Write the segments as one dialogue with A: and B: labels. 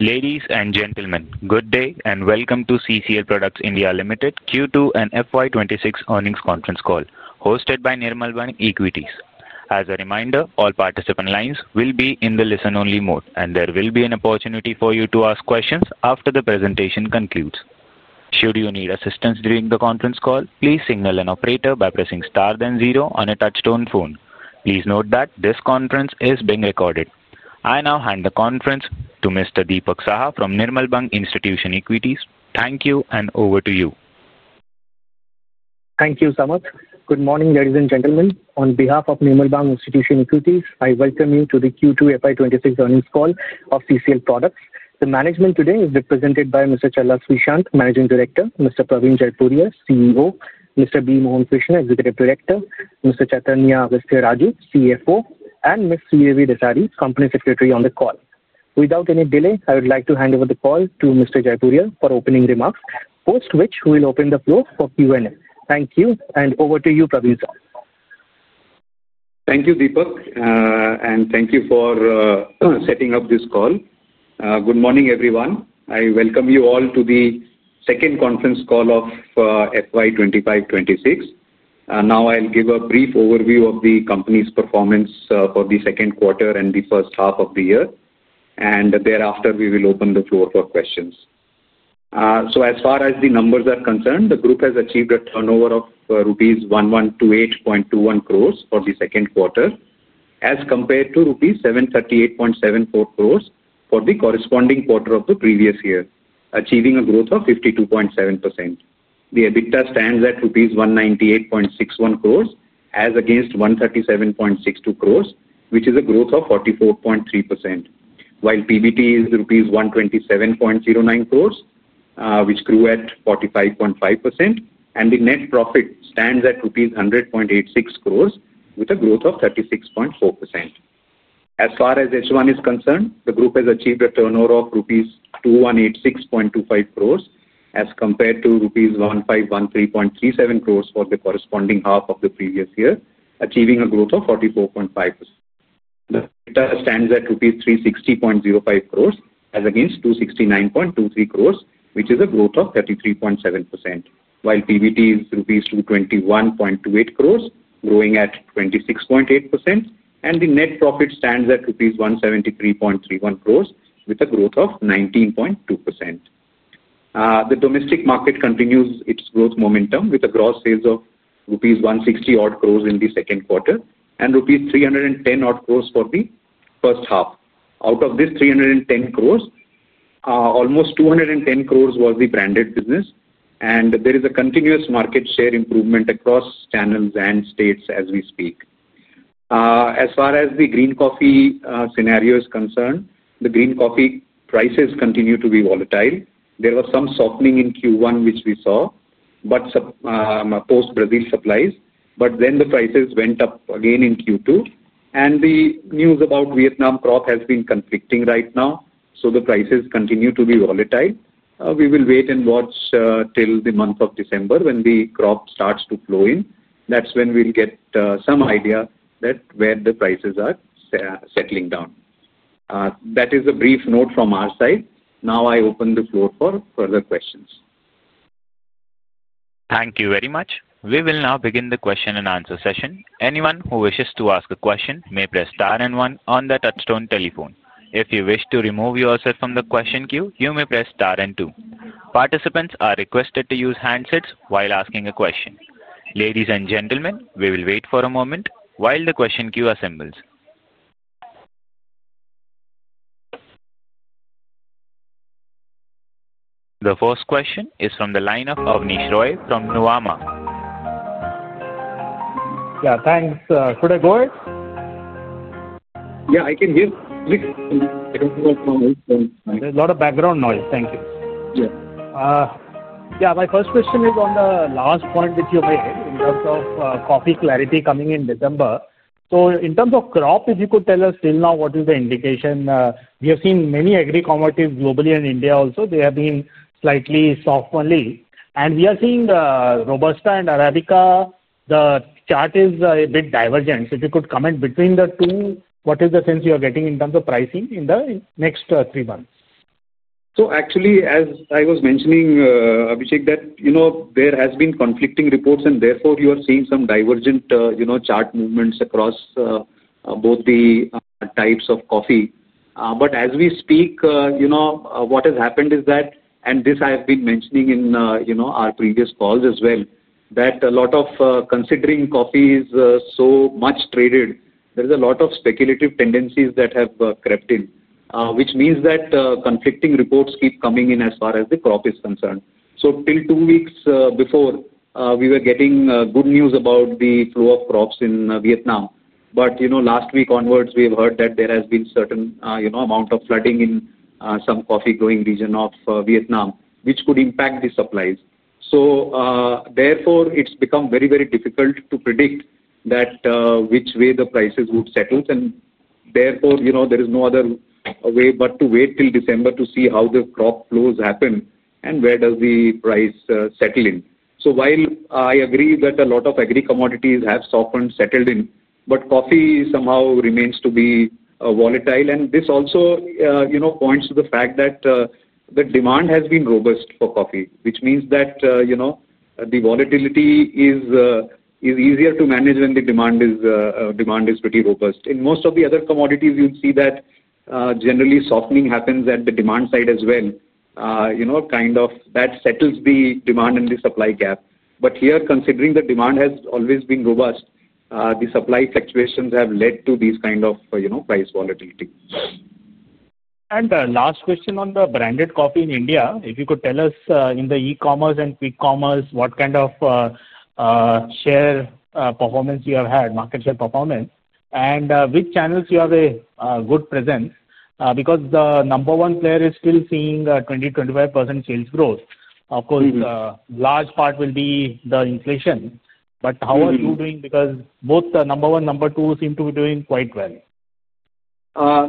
A: Ladies and gentlemen, good day and welcome to CCL Products (India) Limited Q2 and FY 2026 earnings conference call, hosted by Nirmal Bang Institutional Equities. As a reminder, all participant lines will be in the listen-only mode, and there will be an opportunity for you to ask questions after the presentation concludes. Should you need assistance during the conference call, please signal an operator by pressing star then zero on a touch-tone phone. Please note that this conference is being recorded. I now hand the conference to Mr. Dipak Saha from Nirmal Bang Institutional Equities. Thank you, and over to you.
B: Thank you so much. Good morning, ladies and gentlemen. On behalf of Nirmal Bang Institutional Equities, I welcome you to the Q2 FY 2026 earnings call of CCL Products. The management today is represented by Mr. Challa Srishant, Managing Director; Mr. Praveen Jaipuriar, CEO; Mr. B. Mohan Krishna, Executive Director; Mr. Chaithanya Agasthyaraju, CFO; and Ms. Sridevi Dasari, Company Secretary on the call. Without any delay, I would like to hand over the call to Mr. Jaipuriar for opening remarks, post which we will open the floor for Q&A. Thank you, and over to you, Praveen.
C: Thank you, Dipak, and thank you for setting up this call. Good morning, everyone. I welcome you all to the second conference call of FY 2025-2026. Now, I'll give a brief overview of the company's performance for the second quarter and the first half of the year, and thereafter, we will open the floor for questions. As far as the numbers are concerned, the group has achieved a turnover of rupees 1,128.21 crores for the second quarter, as compared to rupees 738.74 crores for the corresponding quarter of the previous year, achieving a growth of 52.7%. The EBITDA stands at rupees 198.61 crores as against 137.62 crores, which is a growth of 44.3%, while PBT is rupees 127.09 crores, which grew at 45.5%, and the net profit stands at rupees 100.86 crores, with a growth of 36.4%. As far as H1 is concerned, the group has achieved a turnover of rupees 2,186.25 crores as compared to rupees 1,513.37 crores for the corresponding half of the previous year, achieving a growth of 44.5%. The EBITDA stands at rupees 360.05 crores as against 269.23 crores, which is a growth of 33.7%, while PBT is rupees 221.28 crores, growing at 26.8%, and the net profit stands at rupees 173.31 crores, with a growth of 19.2%. The domestic market continues its growth momentum with a gross sales of rupees 160 crores in the second quarter and rupees 310 crores for the first half. Out of this 310 crores, almost 210 crores was the branded business, and there is a continuous market share improvement across channels and states as we speak. As far as the green coffee scenario is concerned, the green coffee prices continue to be volatile. There was some softening in Q1, which we saw. Post-Brazil supplies, but then the prices went up again in Q2, and the news about Vietnam crop has been conflicting right now, so the prices continue to be volatile. We will wait and watch till the month of December when the crop starts to flow in. That's when we'll get some idea where the prices are settling down. That is a brief note from our side. Now, I open the floor for further questions.
A: Thank you very much. We will now begin the question and answer session. Anyone who wishes to ask a question may press star and one on the touch-tone telephone. If you wish to remove yourself from the question queue, you may press star and two. Participants are requested to use handsets while asking a question. Ladies and gentlemen, we will wait for a moment while the question queue assembles. The first question is from the line of Abneesh Roy from Nuvama.
D: Yeah, thanks. Could I go ahead?
C: Yeah, I can hear you.
D: There's a lot of background noise. Thank you.
C: Yeah.
D: My first question is on the last point which you made in terms of coffee clarity coming in December. In terms of crop, if you could tell us till now what is the indication? We have seen many agri-commodities globally and in India also. They have been slightly soft on leaves, and we are seeing Robusta and Arabica. The chart is a bit divergent. If you could comment between the two, what is the sense you are getting in terms of pricing in the next three months?
C: Actually, as I was mentioning, Abhishek, there have been conflicting reports, and therefore you are seeing some divergent chart movements across both the types of coffee. As we speak, what has happened is that, and this I have been mentioning in our previous calls as well, considering coffee is so much traded, there is a lot of speculative tendencies that have crept in, which means that conflicting reports keep coming in as far as the crop is concerned. Till two weeks before, we were getting good news about the flow of crops in Vietnam. Last week onwards, we have heard that there has been a certain amount of flooding in some coffee-growing region of Vietnam, which could impact the supplies. Therefore, it has become very, very difficult to predict which way the prices would settle. Therefore, there is no other way but to wait till December to see how the crop flows happen and where the price settles in. While I agree that a lot of agri-commodities have softened, settled in, coffee somehow remains to be volatile. This also points to the fact that the demand has been robust for coffee, which means that the volatility is easier to manage when the demand is pretty robust. In most of the other commodities, you'll see that generally softening happens at the demand side as well. That settles the demand and the supply gap. Here, considering the demand has always been robust, the supply fluctuations have led to these kind of price volatility.
D: Last question on the branded coffee in India. If you could tell us in the e-commerce and quick commerce, what kind of share performance you have had, market share performance, and which channels you have a good presence? The number one player is still seeing 20%-25% sales growth. Of course, a large part will be the inflation. How are you doing? Both the number one and number two seem to be doing quite well.
C: Yeah,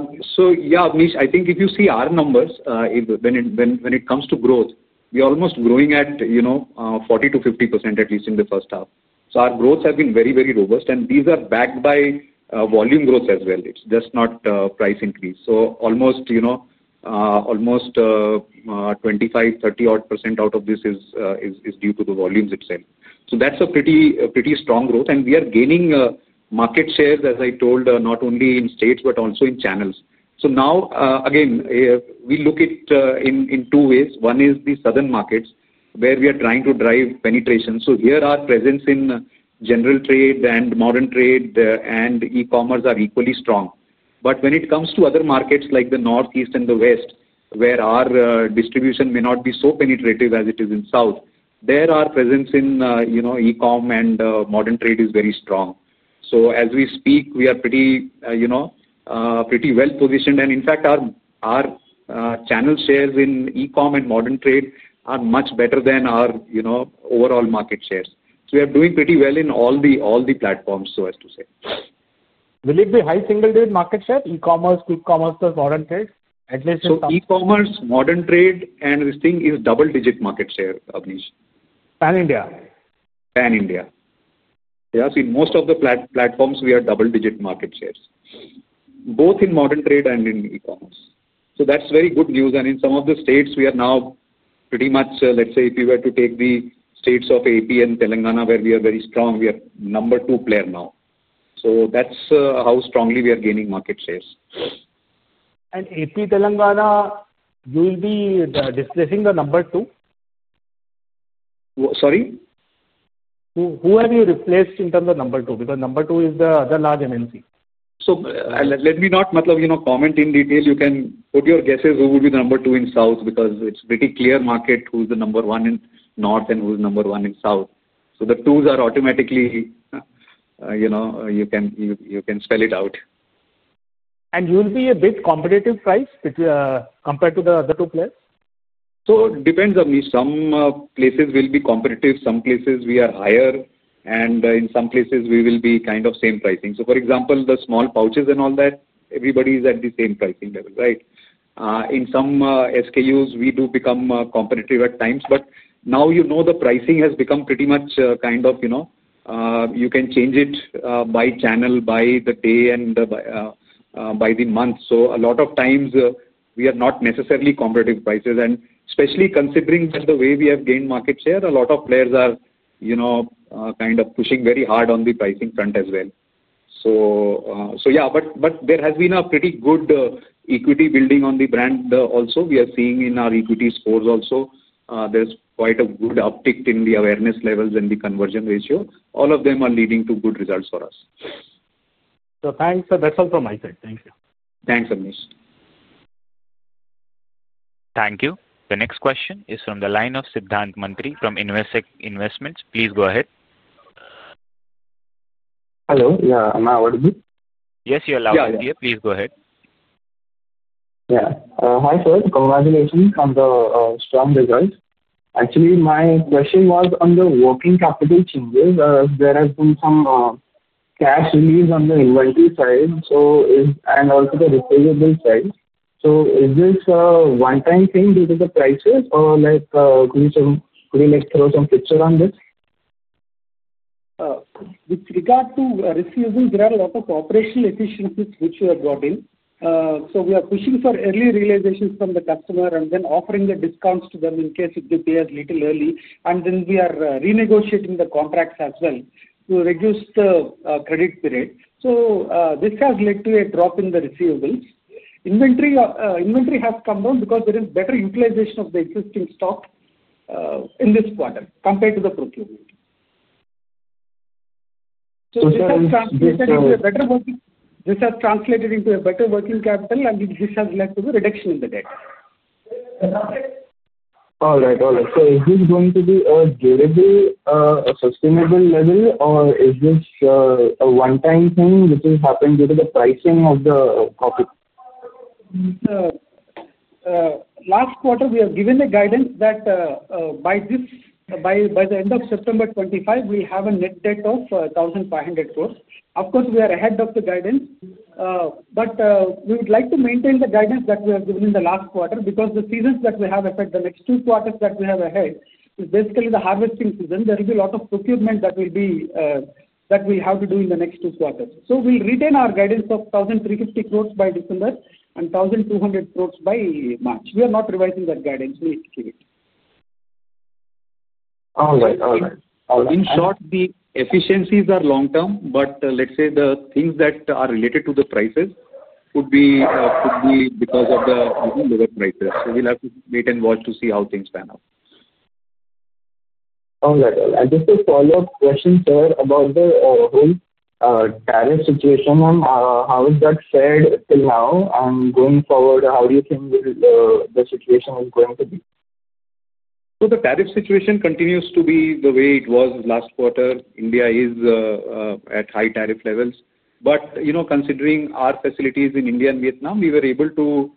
C: Abhishek, I think if you see our numbers, when it comes to growth, we are almost growing at 40%-50% at least in the first half. Our growth has been very, very robust, and these are backed by volume growth as well. It's just not price increase. Almost 25%-30% out of this is due to the volumes itself. That's a pretty strong growth, and we are gaining market shares, as I told, not only in states but also in channels. Now, again, we look at it in two ways. One is the southern markets, where we are trying to drive penetration. Here our presence in general trade and modern trade and e-commerce are equally strong. When it comes to other markets like the northeast and the west, where our distribution may not be so penetrative as it is in the south, our presence in e-com and modern trade is very strong. As we speak, we are pretty well positioned, and in fact, our channel shares in e-com and modern trade are much better than our overall market shares. We are doing pretty well in all the platforms, so as to say.
D: Will it be high single-digit market share? E-commerce, quick commerce, modern trade?
C: E-commerce, modern trade, and this thing is double-digit market share, Abhishek.
D: Pan India?
C: Pan India. Yeah, see, most of the platforms, we are double-digit market shares. Both in modern trade and in e-commerce. That is very good news. In some of the states, we are now pretty much, let's say, if you were to take the states of Andhra Pradesh and Telangana, where we are very strong, we are number two player now. That is how strongly we are gaining market shares.
D: Andhra Pradesh, Telangana, you will be displacing the number two?
C: Sorry?
D: Who have you replaced in terms of number two? Because number two is the other large MNC.
C: Let me not comment in detail. You can put your guesses who will be the number two in south because it is pretty clear market who is the number one in north and who is number one in south. The twos are automatically. You can spell it out.
D: Will you be a bit competitive price compared to the other two players?
C: It depends, Abhishek. Some places will be competitive. Some places we are higher, and in some places, we will be kind of same pricing. For example, the small pouches and all that, everybody is at the same pricing level, right? In some SKUs, we do become competitive at times, but now you know the pricing has become pretty much kind of. You can change it by channel, by the day, and by the month. A lot of times, we are not necessarily competitive prices. Especially considering the way we have gained market share, a lot of players are kind of pushing very hard on the pricing front as well. Yeah, but there has been a pretty good equity building on the brand also. We are seeing in our equity scores also, there is quite a good uptick in the awareness levels and the conversion ratio. All of them are leading to good results for us.
D: Thanks. That's all from my side. Thank you.
C: Thanks, Abhishek.
A: Thank you. The next question is from the line of Siddhant Mantri from InvesQ Investment. Please go ahead.
E: Hello. Yeah, am I audible?
C: Yes, you're loud. Yeah. Please go ahead.
E: Yeah. Hi, sir. Congratulations on the strong results. Actually, my question was on the working capital changes. There has been some cash release on the inventory side, and also the receivable side. Is this a one-time thing due to the prices, or could you throw some picture on this?
F: With regard to refills, there are a lot of operational efficiencies which we have brought in. We are pushing for early realization from the customer and then offering the discounts to them in case it appears a little early, and we are renegotiating the contracts as well to reduce the credit period. This has led to a drop in the refillables. Inventory has come down because there is better utilization of the existing stock in this quarter compared to the procurement. This has translated into a better working capital, and this has led to the reduction in the debt.
E: All right. All right. So, is this going to be a durable, sustainable level, or is this a one-time thing which has happened due to the pricing of the coffee?
F: Last quarter, we have given the guidance that by the end of September 2025, we have a net debt of 1,500 crore. Of course, we are ahead of the guidance. We would like to maintain the guidance that we have given in the last quarter because the seasons that we have ahead, the next two quarters that we have ahead, is basically the harvesting season. There will be a lot of procurement that we have to do in the next two quarters. We will retain our guidance of 1,350 crore by December and 1,200 crore by March. We are not revising that guidance. We execute it.
E: All right. All right.
C: In short, the efficiencies are long-term, but let's say the things that are related to the prices would be because of the lower prices. We'll have to wait and watch to see how things pan out.
E: All right. Just a follow-up question, sir, about the whole tariff situation and how has that fared till now and going forward, how do you think the situation is going to be?
C: The tariff situation continues to be the way it was last quarter. India is at high tariff levels. Considering our facilities in India and Vietnam, we were able to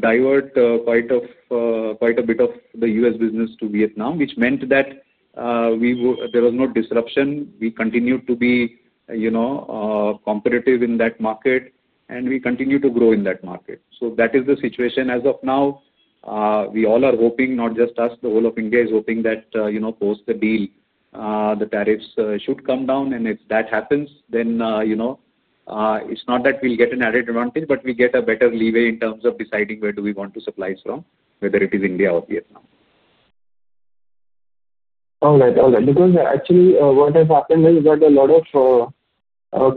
C: divert quite a bit of the U.S. business to Vietnam, which meant that there was no disruption. We continued to be competitive in that market, and we continue to grow in that market. That is the situation as of now. We all are hoping, not just us, the whole of India is hoping that post the deal, the tariffs should come down. If that happens, it is not that we will get an added advantage, but we get a better leeway in terms of deciding where we want to supply from, whether it is India or Vietnam.
E: All right. All right. Because actually, what has happened is that a lot of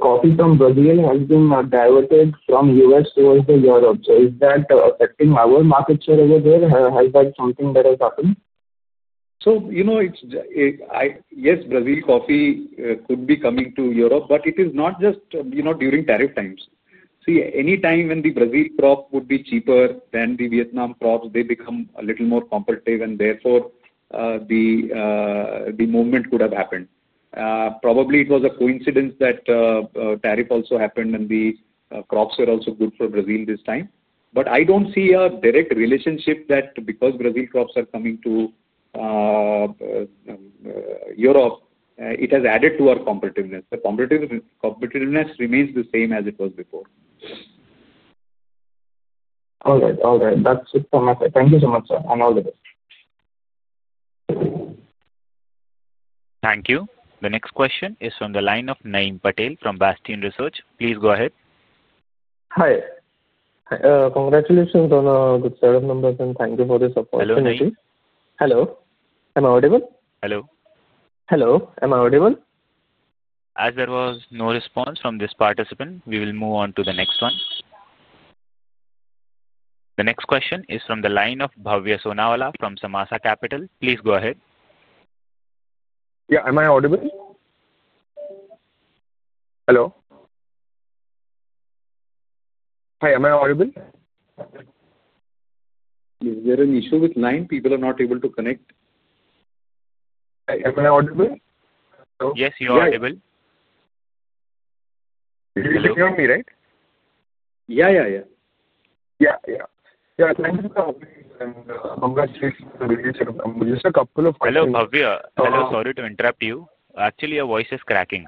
E: coffee from Brazil has been diverted from the U.S. towards Europe. Is that affecting our market share over there? Has that something that has happened?
C: Yes, Brazil coffee could be coming to Europe, but it is not just during tariff times. See, anytime when the Brazil crop would be cheaper than the Vietnam crops, they become a little more competitive, and therefore, the movement could have happened. Probably, it was a coincidence that tariff also happened and the crops were also good for Brazil this time. I do not see a direct relationship that because Brazil crops are coming to Europe, it has added to our competitiveness. The competitiveness remains the same as it was before.
E: All right. All right. That's it from my side. Thank you so much, sir, and all the best.
A: Thank you. The next question is from the line of Naeem Patel from Bastion Research. Please go ahead.
G: Hi. Congratulations on the good start of numbers, and thank you for the support.
C: Hello.
G: Hello. Am I audible?
A: Hello.
G: Hello. Am I audible?
A: As there was no response from this participant, we will move on to the next one. The next question is from the line of Bhavya Sonawala from Samaasa Capital. Please go ahead.
H: Yeah. Am I audible? Hello. Hi. Am I audible?
C: Is there an issue with the line? People are not able to connect.
H: Am I audible?
A: Yes, you are audible.
H: You can hear me, right?
A: Yeah, yeah.
H: Yeah, yeah. Thank you for having me, and congratulations on the release. Just a couple of questions.
A: Hello, Bhavya. Hello. Sorry to interrupt you. Actually, your voice is cracking.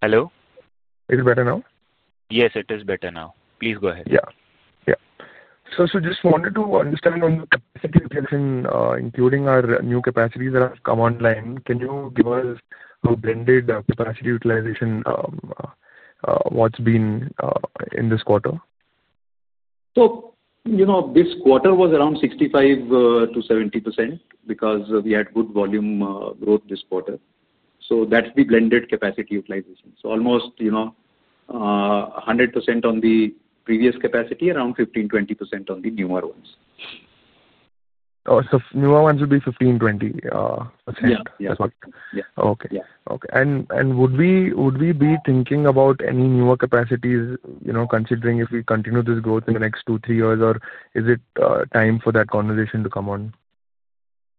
H: Hello? Is it better now?
A: Yes, it is better now. Please go ahead.
H: Yeah. Yeah. I just wanted to understand on the capacity utilization, including our new capacities that have come online. Can you give us a blended capacity utilization? What's been in this quarter?
C: This quarter was around 65%-70% because we had good volume growth this quarter. That is the blended capacity utilization. Almost 100% on the previous capacity, around 15%-20% on the newer ones.
H: Oh, so newer ones would be 15%-20%?
C: Yeah. Yeah.
H: That's what? Okay. Okay. Would we be thinking about any newer capacities, considering if we continue this growth in the next two, three years, or is it time for that conversation to come on?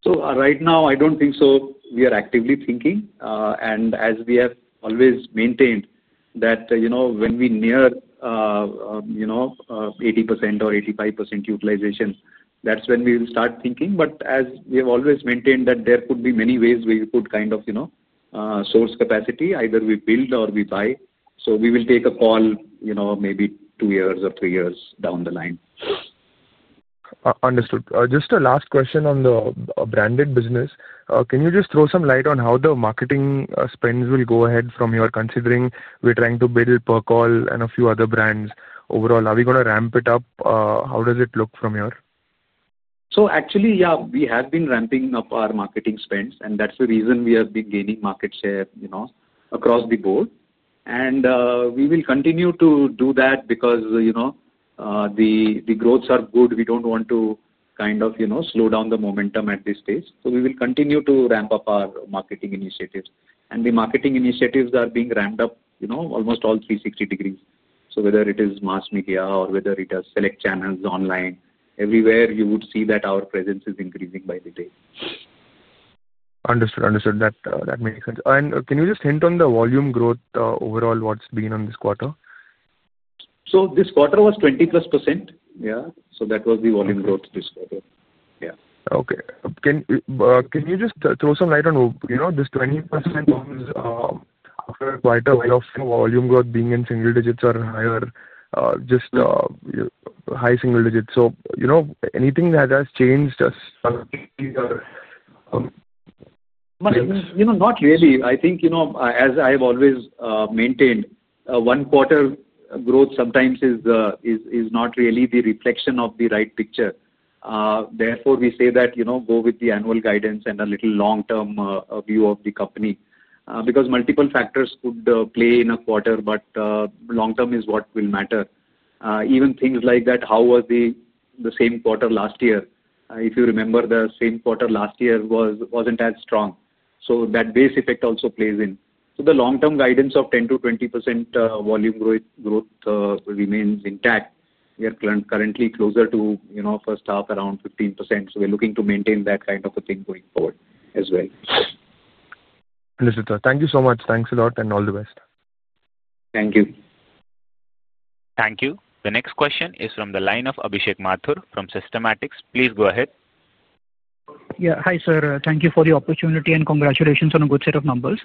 C: Right now, I don't think so. We are actively thinking, and as we have always maintained that when we near 80% or 85% utilization, that's when we will start thinking. As we have always maintained, there could be many ways we could kind of source capacity, either we build or we buy. We will take a call maybe two years or three years down the line.
H: Understood. Just a last question on the branded business. Can you just throw some light on how the marketing spends will go ahead from your considering we're trying to build Percol and a few other brands overall? Are we going to ramp it up? How does it look from your end?
C: Actually, yeah, we have been ramping up our marketing spends, and that's the reason we have been gaining market share across the board. We will continue to do that because the growths are good. We don't want to kind of slow down the momentum at this stage. We will continue to ramp up our marketing initiatives. The marketing initiatives are being ramped up almost all 360 degrees. Whether it is mass media or whether it is select channels online, everywhere you would see that our presence is increasing by the day.
H: Understood. Understood. That makes sense. Can you just hint on the volume growth overall, what's been on this quarter?
C: This quarter was 20%+. Yeah. That was the volume growth this quarter. Yeah.
H: Okay. Can you just throw some light on this 20%? After quite a while of volume growth being in single digits or high, just high single digits? Anything that has changed?
C: Not really. I think, as I have always maintained, one-quarter growth sometimes is not really the reflection of the right picture. Therefore, we say that go with the annual guidance and a little long-term view of the company because multiple factors could play in a quarter, but long-term is what will matter. Even things like that, how was the same quarter last year? If you remember, the same quarter last year was not as strong. That base effect also plays in. The long-term guidance of 10%-20% volume growth remains intact. We are currently closer to first half, around 15%. We are looking to maintain that kind of a thing going forward as well.
H: Understood, sir. Thank you so much. Thanks a lot and all the best.
C: Thank you.
A: Thank you. The next question is from the line of Abhishek Mathur from Systematix. Please go ahead.
I: Yeah. Hi, sir. Thank you for the opportunity and congratulations on a good set of numbers.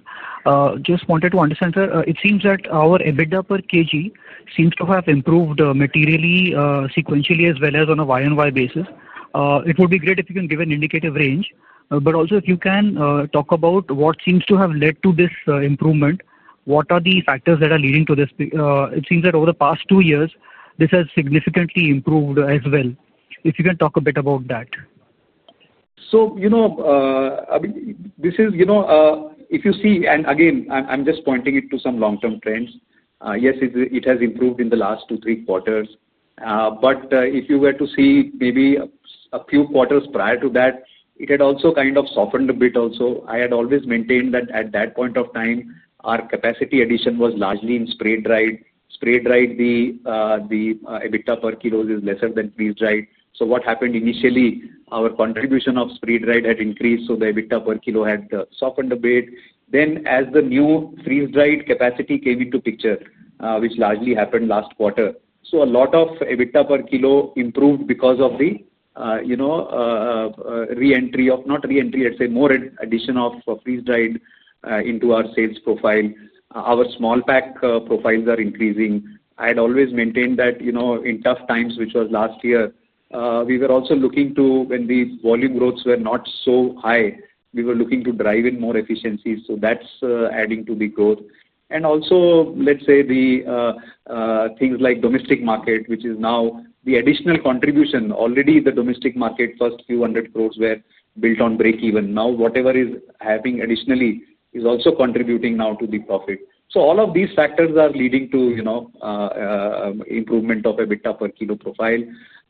I: Just wanted to understand, sir, it seems that our EBITDA per kg seems to have improved materially, sequentially, as well as on a Y and Y basis. It would be great if you can give an indicative range. Also, if you can talk about what seems to have led to this improvement, what are the factors that are leading to this? It seems that over the past two years, this has significantly improved as well. If you can talk a bit about that.
C: This is, if you see, and again, I'm just pointing it to some long-term trends. Yes, it has improved in the last two, three quarters. If you were to see maybe a few quarters prior to that, it had also kind of softened a bit also. I had always maintained that at that point of time, our capacity addition was largely in spray dried. Spray dried, the EBITDA per kilo is lesser than freeze dried. What happened initially, our contribution of spray dried had increased, so the EBITDA per kilo had softened a bit. As the new freeze dried capacity came into picture, which largely happened last quarter, a lot of EBITDA per kilo improved because of the re-entry of, not re-entry, let's say more addition of freeze dried into our sales profile. Our small pack profiles are increasing. I had always maintained that in tough times, which was last year, we were also looking to, when the volume growths were not so high, we were looking to drive in more efficiencies. That is adding to the growth. Things like domestic market, which is now the additional contribution. Already, the domestic market, first few hundred crores were built on break-even. Now, whatever is happening additionally is also contributing now to the profit. All of these factors are leading to improvement of EBITDA per kilo profile.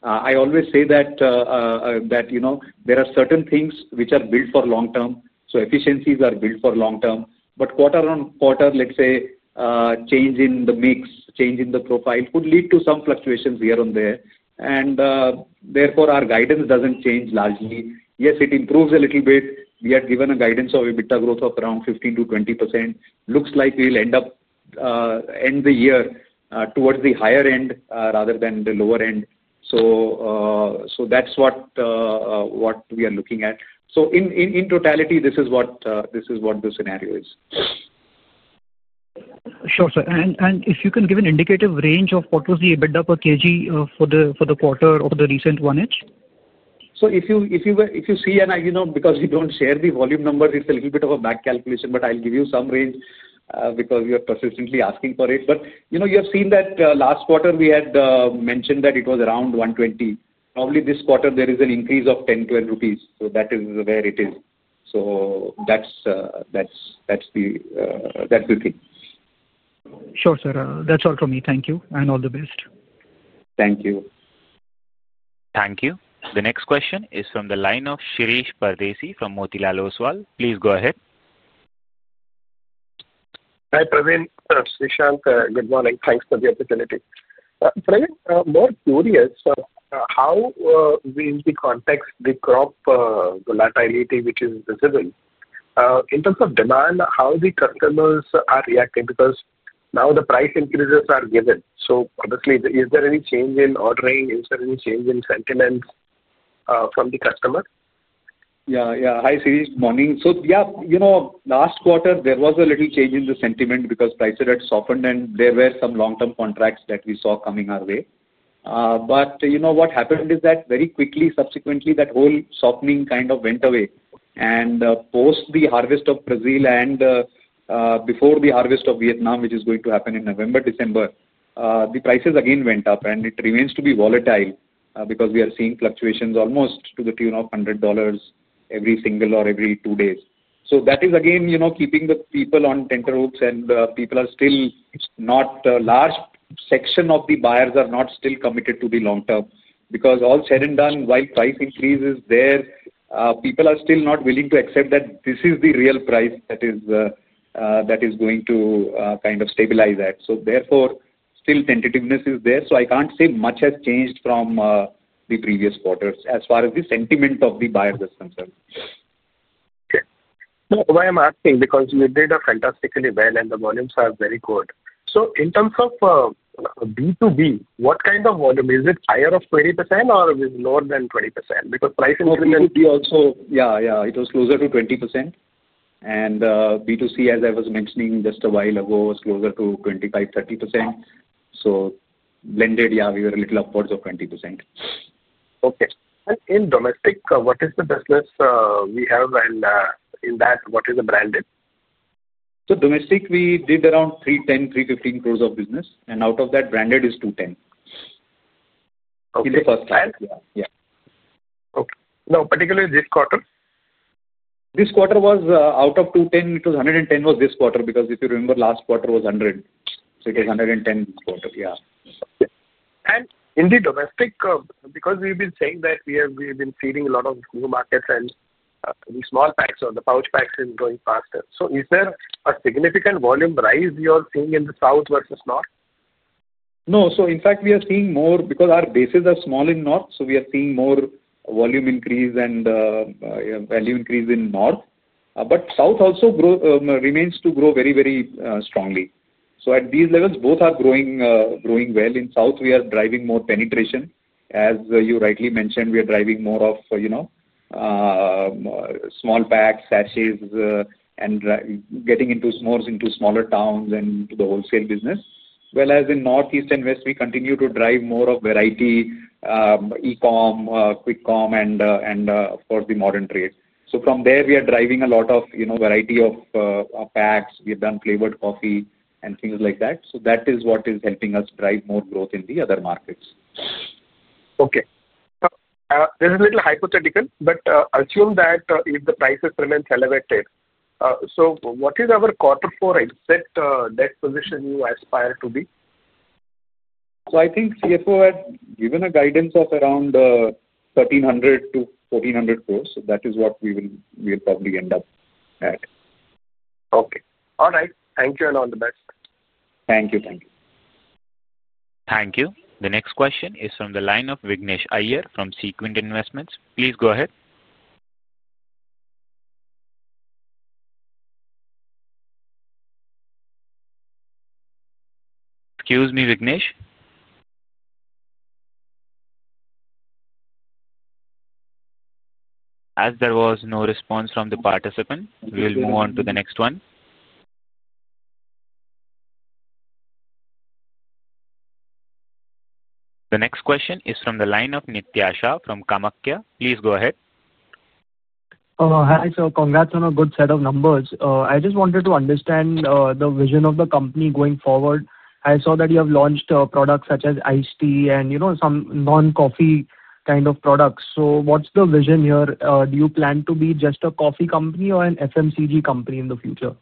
C: I always say that there are certain things which are built for long-term. Efficiencies are built for long-term. Quarter on quarter, change in the mix, change in the profile could lead to some fluctuations here and there. Therefore, our guidance does not change largely. Yes, it improves a little bit. We are given a guidance of EBITDA growth of around 15%-20%. Looks like we'll end up, end the year towards the higher end rather than the lower end. That's what we are looking at. In totality, this is what the scenario is.
I: Sure, sir. If you can give an indicative range of what was the EBITDA per kg for the quarter or the recent 1H?
C: If you see, and because we do not share the volume numbers, it is a little bit of a back calculation, but I will give you some range because you are persistently asking for it. You have seen that last quarter, we had mentioned that it was around 120. Probably this quarter, there is an increase of 10-12 rupees. That is where it is. That is the thing.
I: Sure, sir. That's all from me. Thank you and all the best.
C: Thank you.
A: Thank you. The next question is from the line of Shirish Pardeshi from Motilal Oswal. Please go ahead.
J: Hi, Praveen. Srishant, good morning. Thanks for the opportunity. Praveen, more curious, how. With the context, the crop volatility, which is visible, in terms of demand, how the customers are reacting? Because now the price increases are given. Obviously, is there any change in ordering? Is there any change in sentiment from the customer?
C: Yeah. Yeah. Hi, Shirish. Good morning. Yeah, last quarter, there was a little change in the sentiment because prices had softened, and there were some long-term contracts that we saw coming our way. What happened is that very quickly, subsequently, that whole softening kind of went away. Post the harvest of Brazil and before the harvest of Vietnam, which is going to happen in November, December, the prices again went up, and it remains to be volatile because we are seeing fluctuations almost to the tune of $100 every single or every two days. That is again keeping the people on tenterhooks, and people are still not—a large section of the buyers are not still committed to the long-term because all said and done, while price increases are there, people are still not willing to accept that this is the real price. Is going to kind of stabilize that. Therefore, still tentativeness is there. I can't say much has changed from the previous quarters as far as the sentiment of the buyers is concerned.
J: Okay. No, why I'm asking? Because you did fantastically well, and the volumes are very good. In terms of B2B, what kind of volume? Is it higher of 20% or lower than 20%? Because price increment.
C: Yeah, yeah. It was closer to 20%. And B2C, as I was mentioning just a while ago, was closer to 25%-30%. So, blended, yeah, we were a little upwards of 20%.
J: Okay. In domestic, what is the business we have? In that, what is the branded?
C: we did around 310 crore-315 crore of business. Out of that, branded is 210 crore.
J: Okay.
C: In the first half, yeah.
J: Okay. Now, particularly this quarter?
C: This quarter was out of 210, it was 110 was this quarter because if you remember, last quarter was 100. It was 110 this quarter. Yeah.
J: In the domestic, because we've been saying that we have been feeding a lot of new markets and the small packs or the pouch packs is growing faster. Is there a significant volume rise you are seeing in the south versus north?
C: No. In fact, we are seeing more because our bases are small in north, so we are seeing more volume increase and value increase in north. South also remains to grow very, very strongly. At these levels, both are growing well. In south, we are driving more penetration. As you rightly mentioned, we are driving more of small packs, sachets, and getting into smaller towns and into the wholesale business. Whereas in northeast and west, we continue to drive more of variety. E-com, quick com, and of course, the modern trade. From there, we are driving a lot of variety of packs. We have done flavored coffee and things like that. That is what is helping us drive more growth in the other markets.
J: Okay. There's a little hypothetical, but assume that if the prices remain elevated, what is our Q4 exact net position you aspire to be?
C: I think CFO had given a guidance of around 1,300-1,400 crore. That is what we will probably end up at.
J: Okay. All right. Thank you and all the best.
C: Thank you. Thank you.
A: Thank you. The next question is from the line of Vignesh Iyer from Seaquent Investments. Please go ahead. Excuse me, Vignesh. As there was no response from the participant, we will move on to the next one. The next question is from the line of [Nithyasha from Kamakhya]. Please go ahead.
K: Hi. Congrats on a good set of numbers. I just wanted to understand the vision of the company going forward. I saw that you have launched products such as iced tea and some non-coffee kind of products. What is the vision here? Do you plan to be just a coffee company or an FMCG company in the future?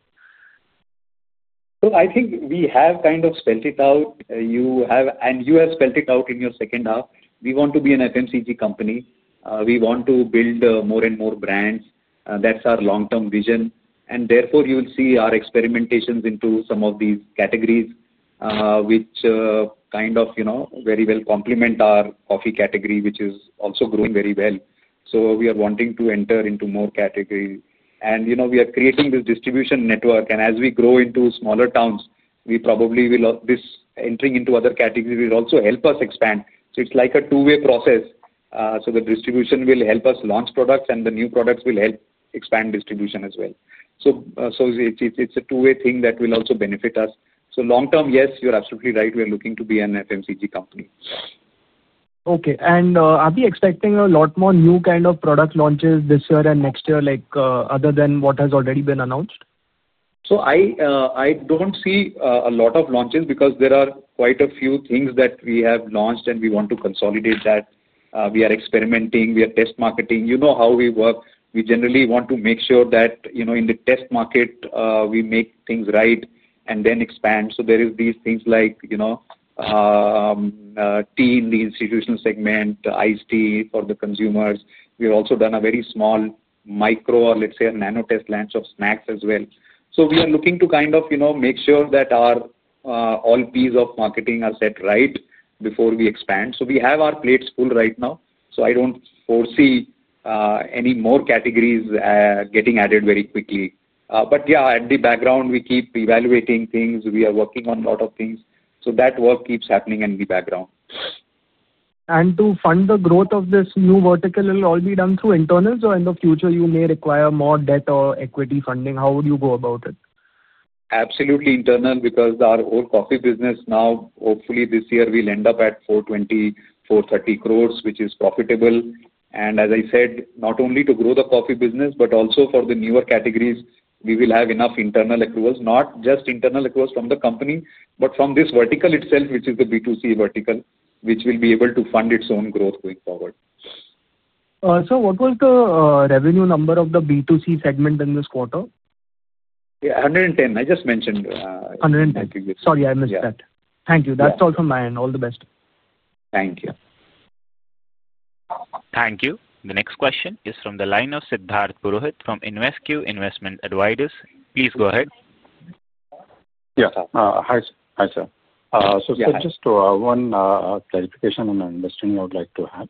C: I think we have kind of spelt it out. You have spelt it out in your second half. We want to be an FMCG company. We want to build more and more brands. That is our long-term vision. Therefore, you will see our experimentations into some of these categories, which kind of very well complement our coffee category, which is also growing very well. We are wanting to enter into more categories, and we are creating this distribution network. As we grow into smaller towns, probably this entering into other categories will also help us expand. It is like a two-way process. The distribution will help us launch products, and the new products will help expand distribution as well. It is a two-way thing that will also benefit us. Long-term, yes, you are absolutely right. We are looking to be an FMCG company.
K: Okay. Are we expecting a lot more new kind of product launches this year and next year other than what has already been announced?
C: I do not see a lot of launches because there are quite a few things that we have launched, and we want to consolidate that. We are experimenting. We are test marketing. You know how we work. We generally want to make sure that in the test market, we make things right and then expand. There are these things like tea in the institutional segment, iced tea for the consumers. We have also done a very small micro or, let's say, a nano test launch of snacks as well. We are looking to kind of make sure that all our P's of marketing are set right before we expand. We have our plates full right now. I do not foresee any more categories getting added very quickly. Yeah, in the background, we keep evaluating things. We are working on a lot of things. That work keeps happening in the background.
K: To fund the growth of this new vertical, will it all be done through internals, or in the future, you may require more debt or equity funding? How would you go about it?
C: Absolutely internal because our whole coffee business now, hopefully this year, we'll end up at 420 crore-430 crore, which is profitable. As I said, not only to grow the coffee business, but also for the newer categories, we will have enough internal accruals, not just internal accruals from the company, but from this vertical itself, which is the B2C vertical, which will be able to fund its own growth going forward.
K: Sir, what was the revenue number of the B2C segment in this quarter?
C: Yeah, 110. I just mentioned.
K: Sorry, I missed that. Thank you. That's all from my end. All the best.
C: Thank you.
A: Thank you. The next question is from the line of Siddharth Purohit from InvesQ Investment Advisors. Please go ahead.
L: Yes. Hi, sir. So, sir, just one clarification and understanding I would like to have.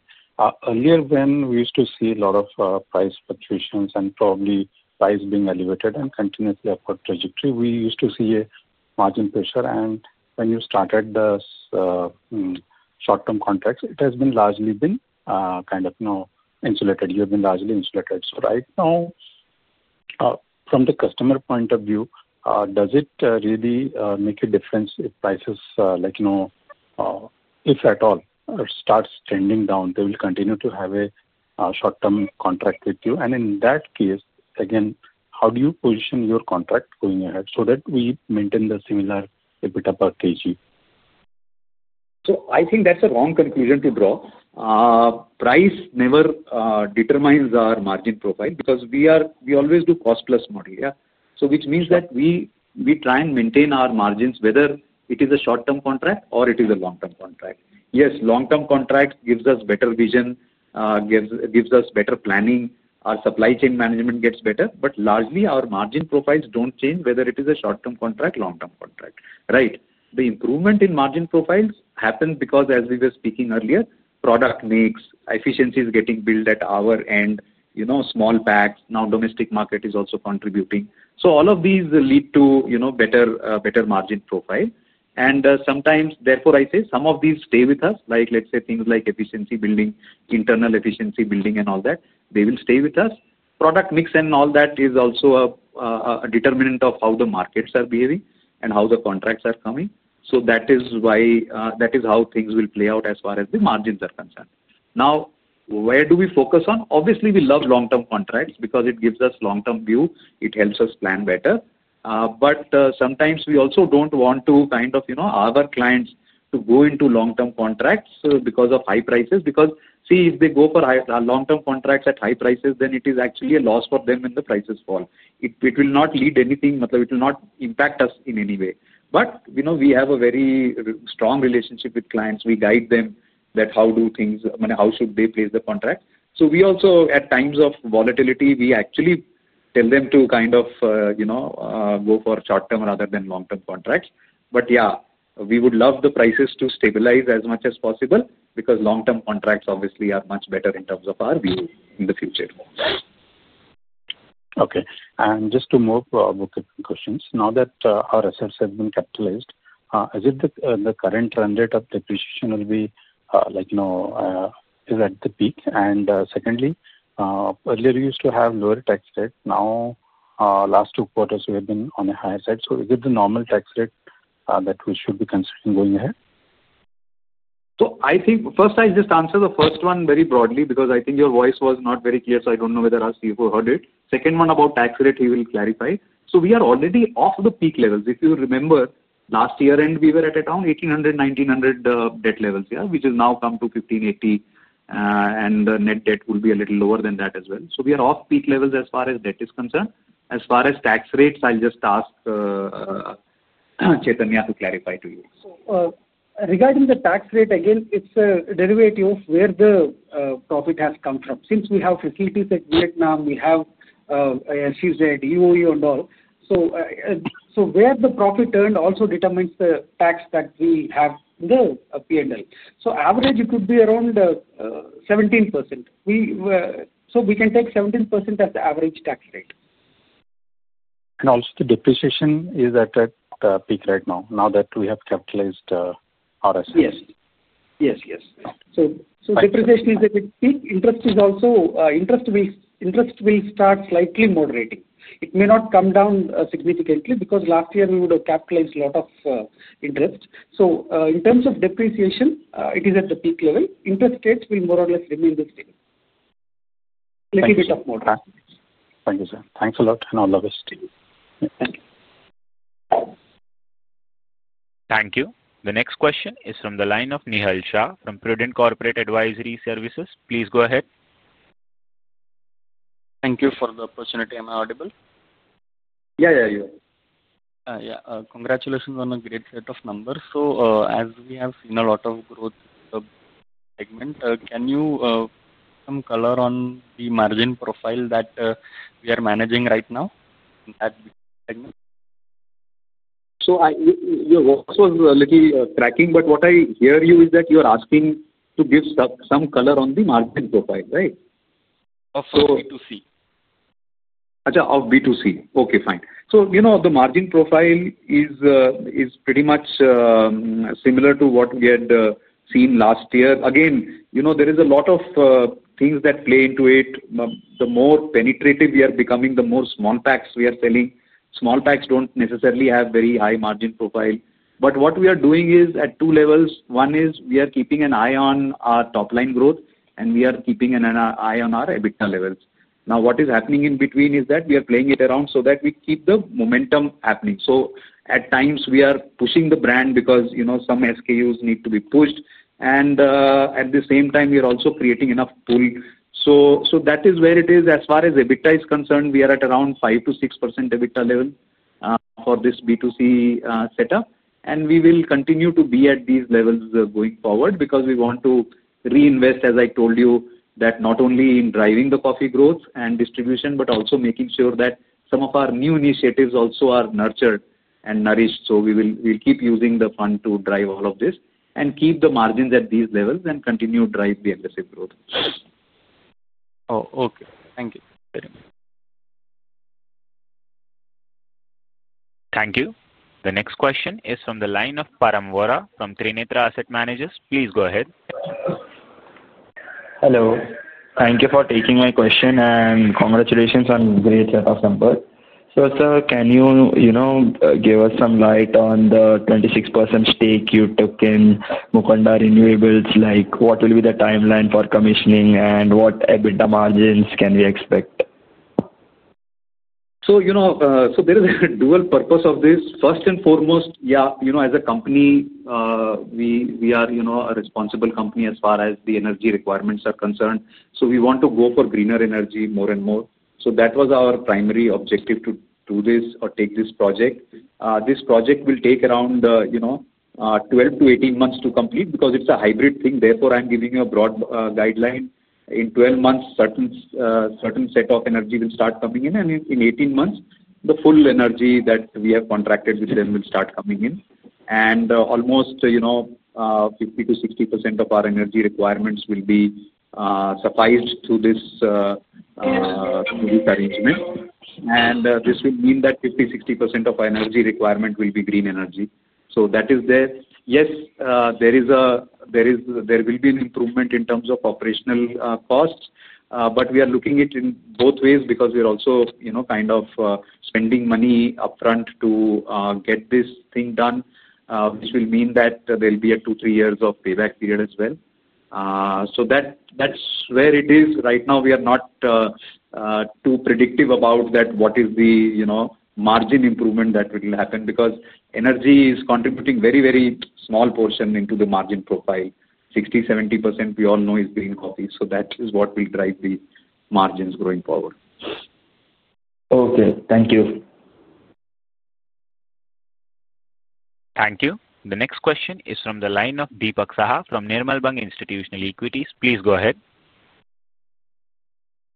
L: Earlier, when we used to see a lot of price fluctuations and probably price being elevated and continuously upward trajectory, we used to see a margin pressure. When you started the short-term contracts, it has largely been kind of insulated. You have been largely insulated. Right now, from the customer point of view, does it really make a difference if prices, if at all, start trending down? They will continue to have a short-term contract with you? In that case, again, how do you position your contract going ahead so that we maintain the similar EBITDA per kg?
C: I think that's a wrong conclusion to draw. Price never determines our margin profile because we always do cost-plus model, yeah? Which means that we try and maintain our margins, whether it is a short-term contract or it is a long-term contract. Yes, long-term contract gives us better vision, gives us better planning. Our supply chain management gets better. Largely, our margin profiles don't change whether it is a short-term contract or long-term contract. The improvement in margin profiles happens because, as we were speaking earlier, product mix, efficiency is getting built at our end, small packs. Now, domestic market is also contributing. All of these lead to better margin profile. Sometimes, therefore, I say some of these stay with us, like let's say things like efficiency building, internal efficiency building, and all that. They will stay with us. Product mix and all that is also a determinant of how the markets are behaving and how the contracts are coming. That is how things will play out as far as the margins are concerned. Now, where do we focus on? Obviously, we love long-term contracts because it gives us a long-term view. It helps us plan better. Sometimes, we also do not want our clients to go into long-term contracts because of high prices. See, if they go for long-term contracts at high prices, then it is actually a loss for them if the prices fall. It will not lead to anything. It will not impact us in any way. We have a very strong relationship with clients. We guide them on how things—how should they place the contract. At times of volatility, we actually tell them to kind of. Go for short-term rather than long-term contracts. Yeah, we would love the prices to stabilize as much as possible because long-term contracts obviously are much better in terms of our view in the future.
L: Okay. Just to move to our book of questions, now that our assets have been capitalized, is it the current run rate of depreciation will be. Is at the peak? Secondly, earlier, we used to have lower tax rates. Now, last two quarters, we have been on the higher side. Is it the normal tax rate that we should be considering going ahead?
C: I think first, I just answer the first one very broadly because I think your voice was not very clear, so I do not know whether our CFO heard it. Second one, about tax rate, he will clarify. We are already off the peak levels. If you remember, last year, we were at around 1,800-1,900 debt levels, yeah? Which has now come to 1,580. The net debt will be a little lower than that as well. We are off peak levels as far as debt is concerned. As far as tax rates, I will just ask Chaithanya to clarify to you.
F: Regarding the tax rate, again, it's a derivative of where the profit has come from. Since we have facilities at Vietnam, we have, as she said, EOE and all. Where the profit earned also determines the tax that we have in the P&L. On average, it would be around 17%. We can take 17% as the average tax rate.
L: Also, the depreciation is at a peak right now, now that we have capitalized our assets.
C: Yes. Yes, yes. Depreciation is at a peak. Interest will start slightly moderating. It may not come down significantly because last year, we would have capitalized a lot of interest. In terms of depreciation, it is at the peak level. Interest rates will more or less remain the same. A little bit of moderation.
L: Thank you, sir. Thanks a lot. All the best to you.
A: Thank you. The next question is from the line of Nihal Shah from Prudent Corporate Advisory Services. Please go ahead.
M: Thank you for the opportunity. Am I audible?
C: Yeah, yeah, you are.
M: Yeah. Congratulations on a great set of numbers. As we have seen a lot of growth in the segment, can you put some color on the margin profile that we are managing right now in that segment?
C: Your voice was a little cracking, but what I hear you is that you are asking to give some color on the margin profile, right?
M: Of B2C.
C: Yeah. Of B2C. Okay, fine. The margin profile is pretty much similar to what we had seen last year. Again, there are a lot of things that play into it. The more penetrative we are becoming, the more small packs we are selling. Small packs do not necessarily have a very high margin profile. What we are doing is at two levels. One is we are keeping an eye on our top-line growth, and we are keeping an eye on our EBITDA levels. Now, what is happening in between is that we are playing it around so that we keep the momentum happening. At times, we are pushing the brand because some SKUs need to be pushed. At the same time, we are also creating enough pull. That is where it is. As far as EBITDA is concerned, we are at around 5%-6% EBITDA level for this B2C setup. We will continue to be at these levels going forward because we want to reinvest, as I told you, that not only in driving the coffee growth and distribution, but also making sure that some of our new initiatives also are nurtured and nourished. We will keep using the fund to drive all of this and keep the margins at these levels and continue to drive the aggressive growth.
M: Oh, okay. Thank you.
A: Thank you. The next question is from the line of Param Vora from Trinetra Asset Managers. Please go ahead.
N: Hello. Thank you for taking my question and congratulations on a great set of numbers. Sir, can you give us some light on the 26% stake you took in Mukunda Renewables? What will be the timeline for commissioning and what EBITDA margins can we expect?
C: There is a dual purpose of this. First and foremost, yeah, as a company, we are a responsible company as far as the energy requirements are concerned. We want to go for greener energy more and more. That was our primary objective to do this or take this project. This project will take around 12-18 months to complete because it is a hybrid thing. Therefore, I am giving you a broad guideline. In 12 months, a certain set of energy will start coming in. In 18 months, the full energy that we have contracted with them will start coming in. Almost 50%-60% of our energy requirements will be sufficed through this arrangement. This will mean that 50%-60% of our energy requirement will be green energy. That is there. Yes, there will be an improvement in terms of operational costs, but we are looking at it in both ways because we are also kind of spending money upfront to get this thing done, which will mean that there will be a two- to three-year payback period as well. That is where it is. Right now, we are not too predictive about what is the margin improvement that will happen because energy is contributing a very, very small portion into the margin profile. 60%-70%, we all know, is green coffee. That is what will drive the margins going forward.
N: Okay. Thank you.
A: Thank you. The next question is from the line of Dipak Saha from Nirmal Bang Institutional Equities. Please go ahead.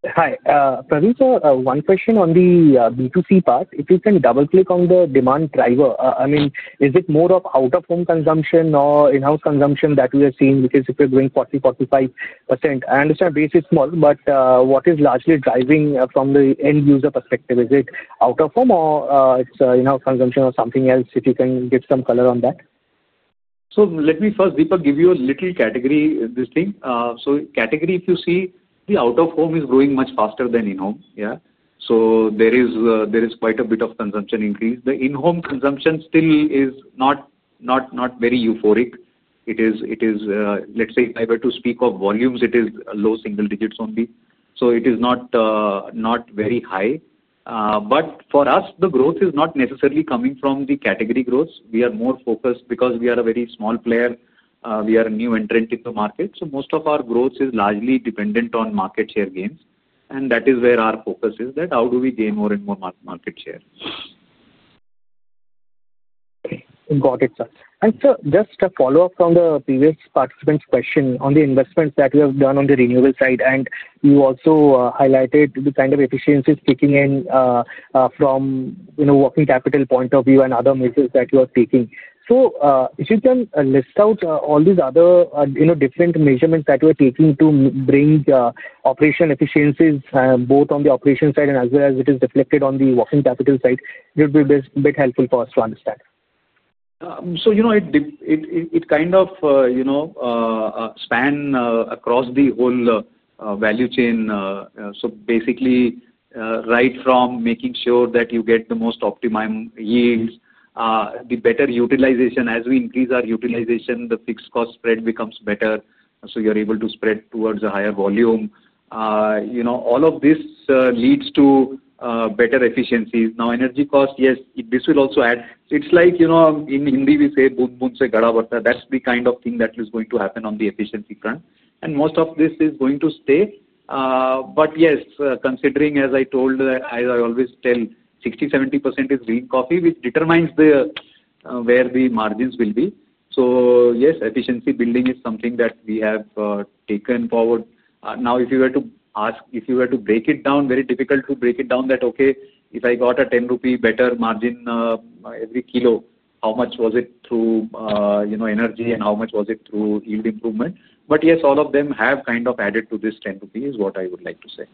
B: Hi. Praveen, sir, one question on the B2C part. If you can double-click on the demand driver, I mean, is it more of out-of-home consumption or in-house consumption that we are seeing? Because if you're doing 40%-45%, I understand base is small, but what is largely driving from the end user perspective? Is it out-of-home or it's in-house consumption or something else? If you can give some color on that.
C: Let me first, Dipak, give you a little category of this thing. Category, if you see, the out-of-home is growing much faster than in-home, yeah? There is quite a bit of consumption increase. The in-home consumption still is not very euphoric. It is, let's say, if I were to speak of volumes, it is low single digits only. It is not very high. For us, the growth is not necessarily coming from the category growth. We are more focused because we are a very small player. We are a new entrant in the market. Most of our growth is largely dependent on market share gains. That is where our focus is, that how do we gain more and more market share.
B: Got it, sir. Sir, just a follow-up from the previous participant's question on the investments that we have done on the renewable side. You also highlighted the kind of efficiencies taken in from a working capital point of view and other measures that you are taking. If you can list out all these other different measurements that you are taking to bring operation efficiencies, both on the operation side and as well as it is reflected on the working capital side, it would be a bit helpful for us to understand.
C: It kind of spans across the whole value chain. Basically, right from making sure that you get the most optimum yields, the better utilization, as we increase our utilization, the fixed cost spread becomes better. You are able to spread towards a higher volume. All of this leads to better efficiencies. Now, energy cost, yes, this will also add. It's like in Hindi, we say, "Boom boom se gada bardha." That's the kind of thing that is going to happen on the efficiency front. Most of this is going to stay. Yes, considering, as I told, as I always tell, 60%-70% is green coffee, which determines where the margins will be. Efficiency building is something that we have taken forward. Now, if you were to ask, if you were to break it down, very difficult to break it down that, okay, if I got a 10 rupee better margin every kilo, how much was it through energy and how much was it through yield improvement? Yes, all of them have kind of added to this 10 rupees is what I would like to say.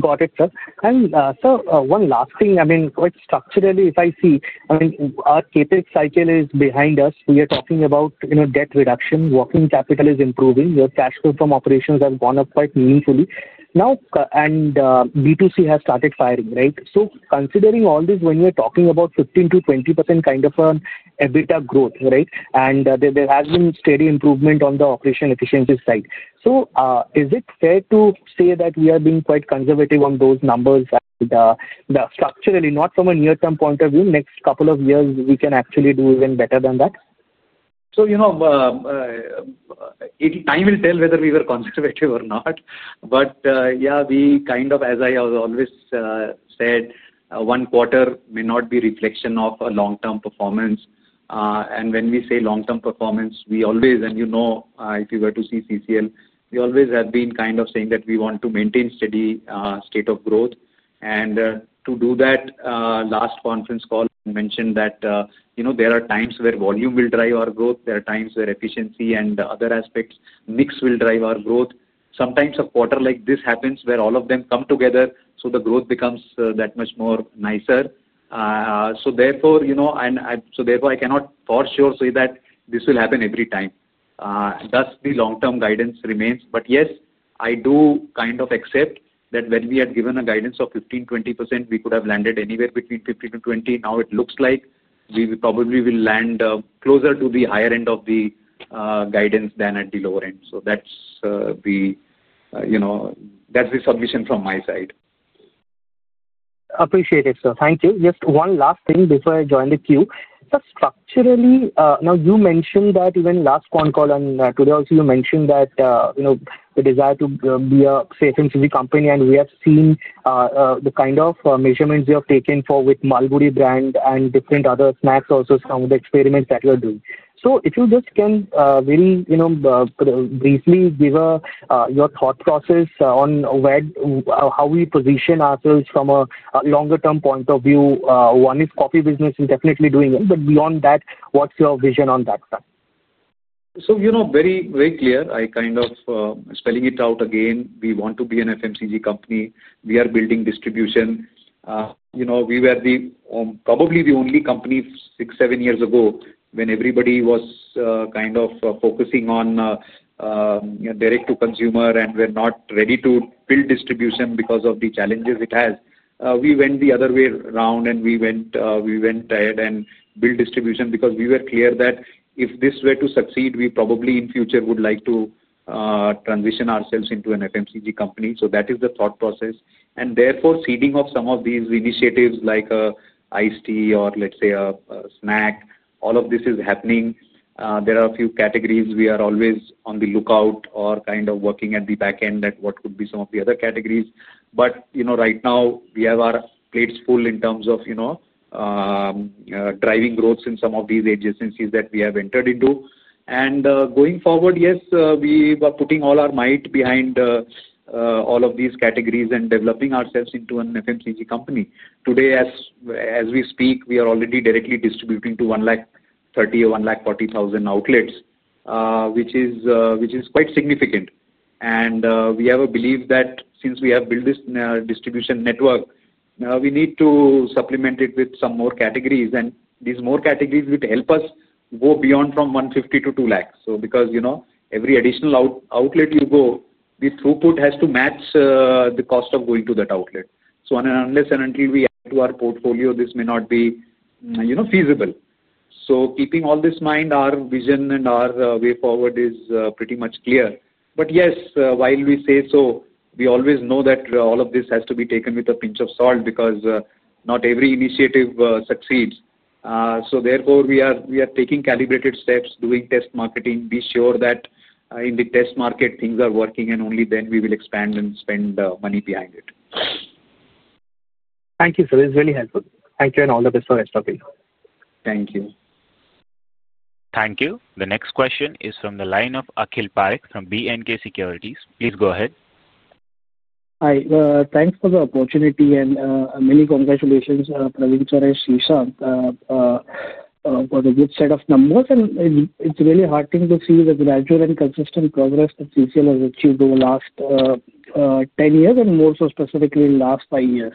B: Got it, sir. And sir, one last thing. I mean, quite structurally, if I see, I mean, our CapEx cycle is behind us. We are talking about debt reduction. Working capital is improving. Your cash flow from operations has gone up quite meaningfully. And B2C has started firing, right? Considering all this, when you are talking about 15%-20% kind of an EBITDA growth, right? There has been steady improvement on the operation efficiency side. Is it fair to say that we are being quite conservative on those numbers? Structurally, not from a near-term point of view, next couple of years, we can actually do even better than that?
C: Time will tell whether we were conservative or not. Yeah, we kind of, as I always said, one quarter may not be a reflection of long-term performance. When we say long-term performance, we always, and you know, if you were to see CCL, we always have been kind of saying that we want to maintain a steady state of growth. To do that, last conference call, I mentioned that there are times where volume will drive our growth. There are times where efficiency and other aspects, mix will drive our growth. Sometimes a quarter like this happens where all of them come together, so the growth becomes that much nicer. Therefore, I cannot for sure say that this will happen every time. Thus, the long-term guidance remains. Yes, I do kind of accept that when we had given a guidance of 15%-20%, we could have landed anywhere between 15%-20%. Now, it looks like we probably will land closer to the higher end of the guidance than at the lower end. That is the submission from my side.
B: Appreciate it, sir. Thank you. Just one last thing before I join the queue. Structurally, now you mentioned that even last con call and today also, you mentioned that. The desire to be a safe and easy company. We have seen the kind of measurements you have taken with Malgudi brand and different other snacks also, some of the experiments that you are doing. If you just can very briefly give your thought process on how we position ourselves from a longer-term point of view. One is coffee business is definitely doing it. Beyond that, what's your vision on that front?
C: Very clear. I kind of spelling it out again. We want to be an FMCG company. We are building distribution. We were probably the only company six, seven years ago when everybody was kind of focusing on direct-to-consumer and were not ready to build distribution because of the challenges it has. We went the other way around and we went ahead and built distribution because we were clear that if this were to succeed, we probably in future would like to transition ourselves into an FMCG company. That is the thought process. Therefore, seeding of some of these initiatives like Iced Tea or, let's say, a snack, all of this is happening. There are a few categories we are always on the lookout or kind of working at the back end at what could be some of the other categories. Right now, we have our plates full in terms of driving growths in some of these adjacencies that we have entered into. Going forward, yes, we are putting all our might behind all of these categories and developing ourselves into an FMCG company. Today, as we speak, we are already directly distributing to 130,000 or 140,000 outlets, which is quite significant. We have a belief that since we have built this distribution network, we need to supplement it with some more categories. These more categories will help us go beyond from 150,000 to 2,000,000. Every additional outlet you go, the throughput has to match the cost of going to that outlet. Unless and until we add to our portfolio, this may not be feasible. Keeping all this in mind, our vision and our way forward is pretty much clear. Yes, while we say so, we always know that all of this has to be taken with a pinch of salt because not every initiative succeeds. Therefore, we are taking calibrated steps, doing test marketing, be sure that in the test market, things are working, and only then we will expand and spend money behind it.
B: Thank you, sir. This is really helpful. Thank you and all the best for SW.
C: Thank you.
A: Thank you. The next question is from the line of Akhil Parekh from B&K Securities. Please go ahead.
O: Hi. Thanks for the opportunity and many congratulations, Praveen sir, and Susha, for the good set of numbers. It's really heartening to see the gradual and consistent progress that CCL has achieved over the last 10 years and more so specifically in the last five years.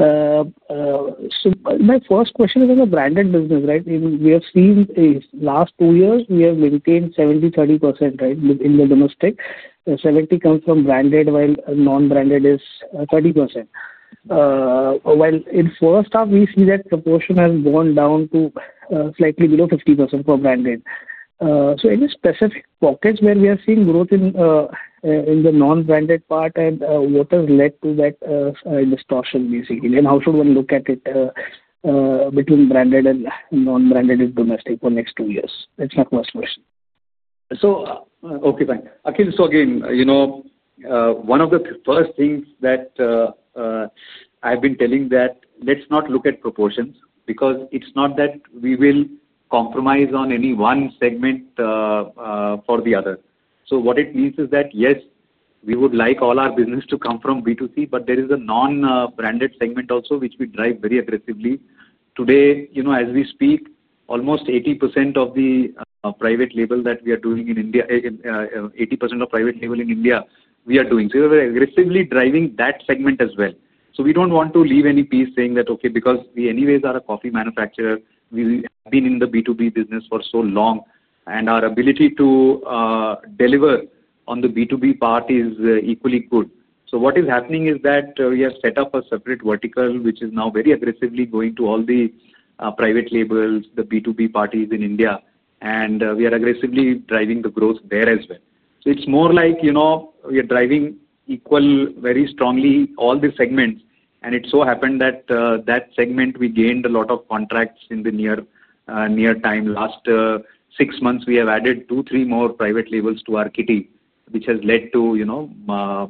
O: My first question is on the branded business, right? We have seen in the last two years, we have maintained 70%-30%, right, in the domestic. 70% comes from branded while non-branded is 30%. In the first half, we see that proportion has gone down to slightly below 50% for branded. In specific pockets, where are we seeing growth in the non-branded part and what has led to that distortion, basically? How should one look at it between branded and non-branded in domestic for the next two years? That's my first question.
C: Okay, fine. Akhil, again, one of the first things that I've been telling is let's not look at proportions because it's not that we will compromise on any one segment for the other. What it means is that, yes, we would like all our business to come from B2C, but there is a non-branded segment also, which we drive very aggressively. Today, as we speak, almost 80% of the private label that we are doing in India, 80% of private label in India, we are doing. We are aggressively driving that segment as well. We don't want to leave any piece saying that, okay, because we anyways are a coffee manufacturer, we have been in the B2B business for so long, and our ability to deliver on the B2B part is equally good. What is happening is that we have set up a separate vertical, which is now very aggressively going to all the private labels, the B2B parties in India, and we are aggressively driving the growth there as well. It is more like we are driving equal, very strongly, all the segments. It so happened that that segment, we gained a lot of contracts in the near time. Last six months, we have added two, three more private labels to our kitty, which has led to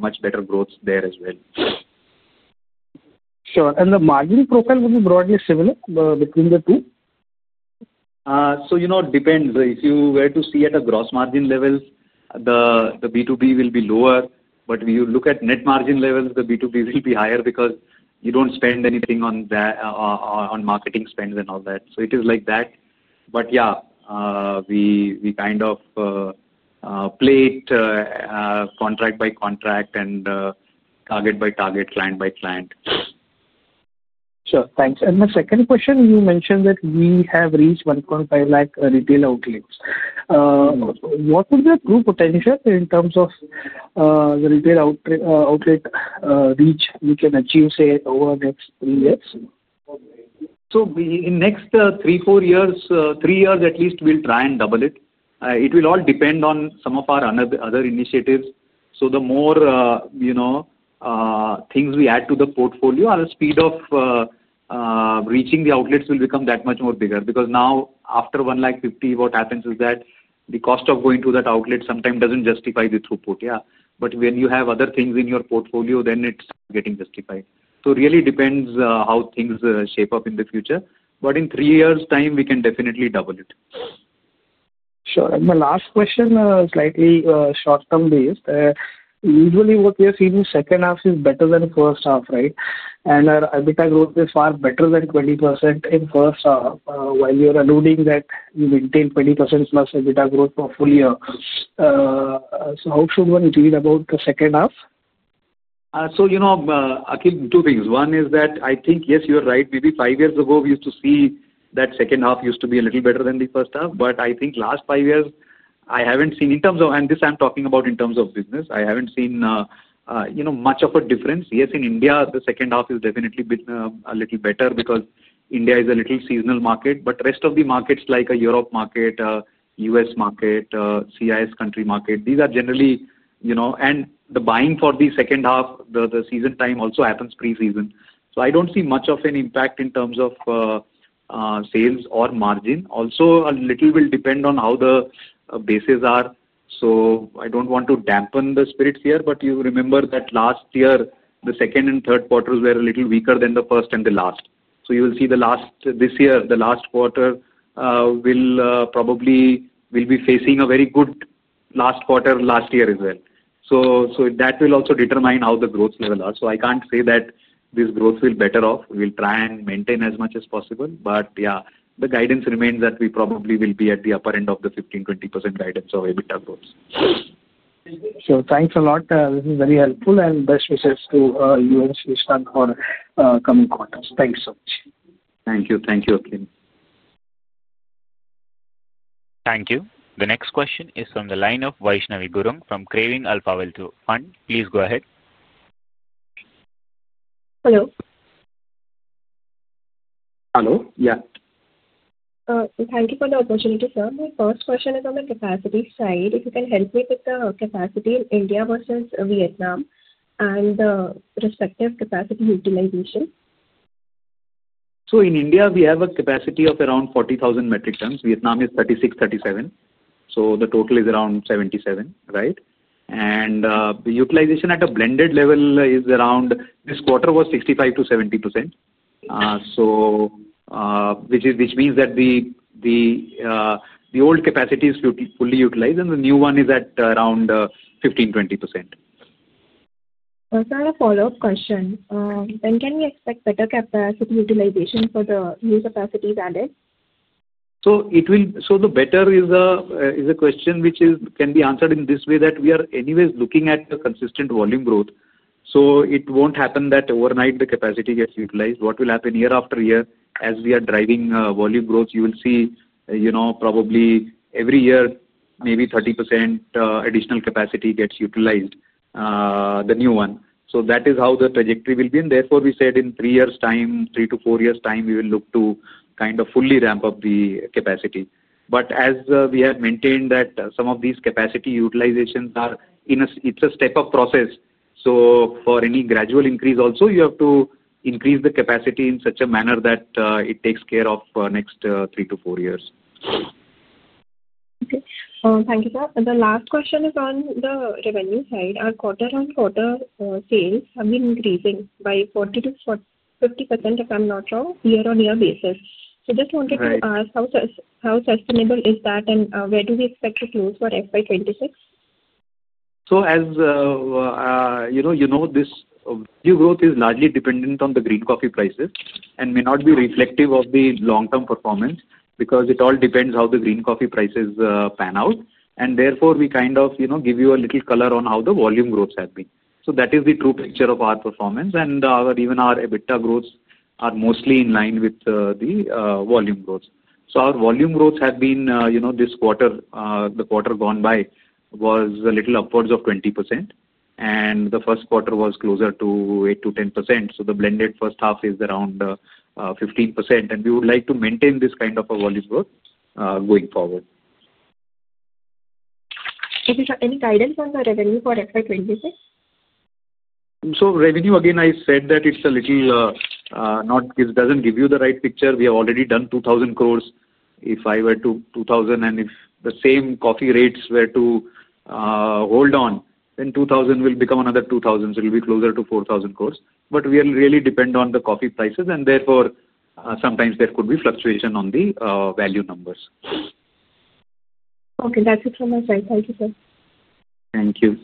C: much better growth there as well.
O: Sure. The margin profile will be broadly similar between the two?
C: It depends. If you were to see at a gross margin level, the B2B will be lower. If you look at net margin levels, the B2B will be higher because you do not spend anything on marketing spends and all that. It is like that. We kind of plate contract by contract and target by target, client by client.
O: Sure. Thanks. My second question, you mentioned that we have reached 1.5 lakh retail outlets. What would be the true potential in terms of the retail outlet reach we can achieve, say, over the next three years?
C: In the next three, four years, three years at least, we'll try and double it. It will all depend on some of our other initiatives. The more things we add to the portfolio, the speed of reaching the outlets will become that much more bigger. Because now, after 150,000, what happens is that the cost of going to that outlet sometimes doesn't justify the throughput, yeah. When you have other things in your portfolio, then it's getting justified. It really depends on how things shape up in the future. In three years' time, we can definitely double it.
O: Sure. My last question, slightly short-term based. Usually, what we are seeing in the second half is better than the first half, right? Our EBITDA growth is far better than 20% in the first half, while you are alluding that you maintain 20%+ EBITDA growth for a full year. How should one read about the second half?
C: Akhil, two things. One is that I think, yes, you're right. Maybe five years ago, we used to see that the second half used to be a little better than the first half. I think the last five years, I haven't seen, in terms of business, I haven't seen much of a difference. Yes, in India, the second half is definitely a little better because India is a little seasonal market. The rest of the markets, like a Europe market, U.S. market, CIS country market, these are generally, and the buying for the second half, the season time also happens pre-season. I don't see much of an impact in terms of sales or margin. Also, a little will depend on how the bases are. I do not want to dampen the spirits here, but you remember that last year, the second and third quarters were a little weaker than the first and the last. You will see this year, the last quarter will probably be facing a very good last quarter last year as well. That will also determine how the growth level is. I cannot say that this growth will be better off. We will try and maintain as much as possible. Yeah, the guidance remains that we probably will be at the upper end of the 15%-20% guidance of EBITDA growth.
O: Sure. Thanks a lot. This is very helpful and best wishes to you and [Sridevi] for the coming quarters. Thanks so much.
C: Thank you. Thank you, Akhil.
A: Thank you. The next question is from the line of Vaishnavi Gurung from Craving Alpha Wealth Fund. Please go ahead.
P: Hello.
C: Hello. Yeah.
P: Thank you for the opportunity, sir. My first question is on the capacity side. If you can help me with the capacity in India versus Vietnam and the respective capacity utilization.
C: In India, we have a capacity of around 40,000 metric tons. Vietnam is 36,000-37,000. The total is around 77,000, right? The utilization at a blended level is around, this quarter was 65%-70%. Which means that the old capacity is fully utilized and the new one is at around 15%-20%.
P: Sir, a follow-up question. When can we expect better capacity utilization for the new capacities added?
C: The better is a question which can be answered in this way that we are anyways looking at a consistent volume growth. It won't happen that overnight the capacity gets utilized. What will happen year after year as we are driving volume growth, you will see probably every year, maybe 30% additional capacity gets utilized. The new one. That is how the trajectory will be. Therefore, we said in three years' time, three to four years' time, we will look to kind of fully ramp up the capacity. As we have maintained, some of these capacity utilizations are in a step-up process. For any gradual increase also, you have to increase the capacity in such a manner that it takes care of the next three to four years.
P: Okay. Thank you, sir. The last question is on the revenue side. Our quarter-on-quarter sales have been increasing by 40%-50%, if I'm not wrong, year-on-year basis. Just wanted to ask, how sustainable is that and where do we expect to close for FY 2026?
C: As you know, this new growth is largely dependent on the green coffee prices and may not be reflective of the long-term performance because it all depends on how the green coffee prices pan out. Therefore, we kind of give you a little color on how the volume growth has been. That is the true picture of our performance. Even our EBITDA growths are mostly in line with the volume growth. Our volume growths this quarter, the quarter gone by, was a little upwards of 20%. The first quarter was closer to 8%-10%. The blended first half is around 15%. We would like to maintain this kind of volume growth going forward.
P: Okay, sir. Any guidance on the revenue for FY 2026?
C: Revenue, again, I said that it's a little. Doesn't give you the right picture. We have already done 2,000 crore. If I were to 2,000 and if the same coffee rates were to hold on, then 2,000 will become another 2,000. It will be closer to 4,000 crore. We will really depend on the coffee prices. Therefore, sometimes there could be fluctuation on the value numbers.
P: Okay. That's it from my side. Thank you, sir.
C: Thank you.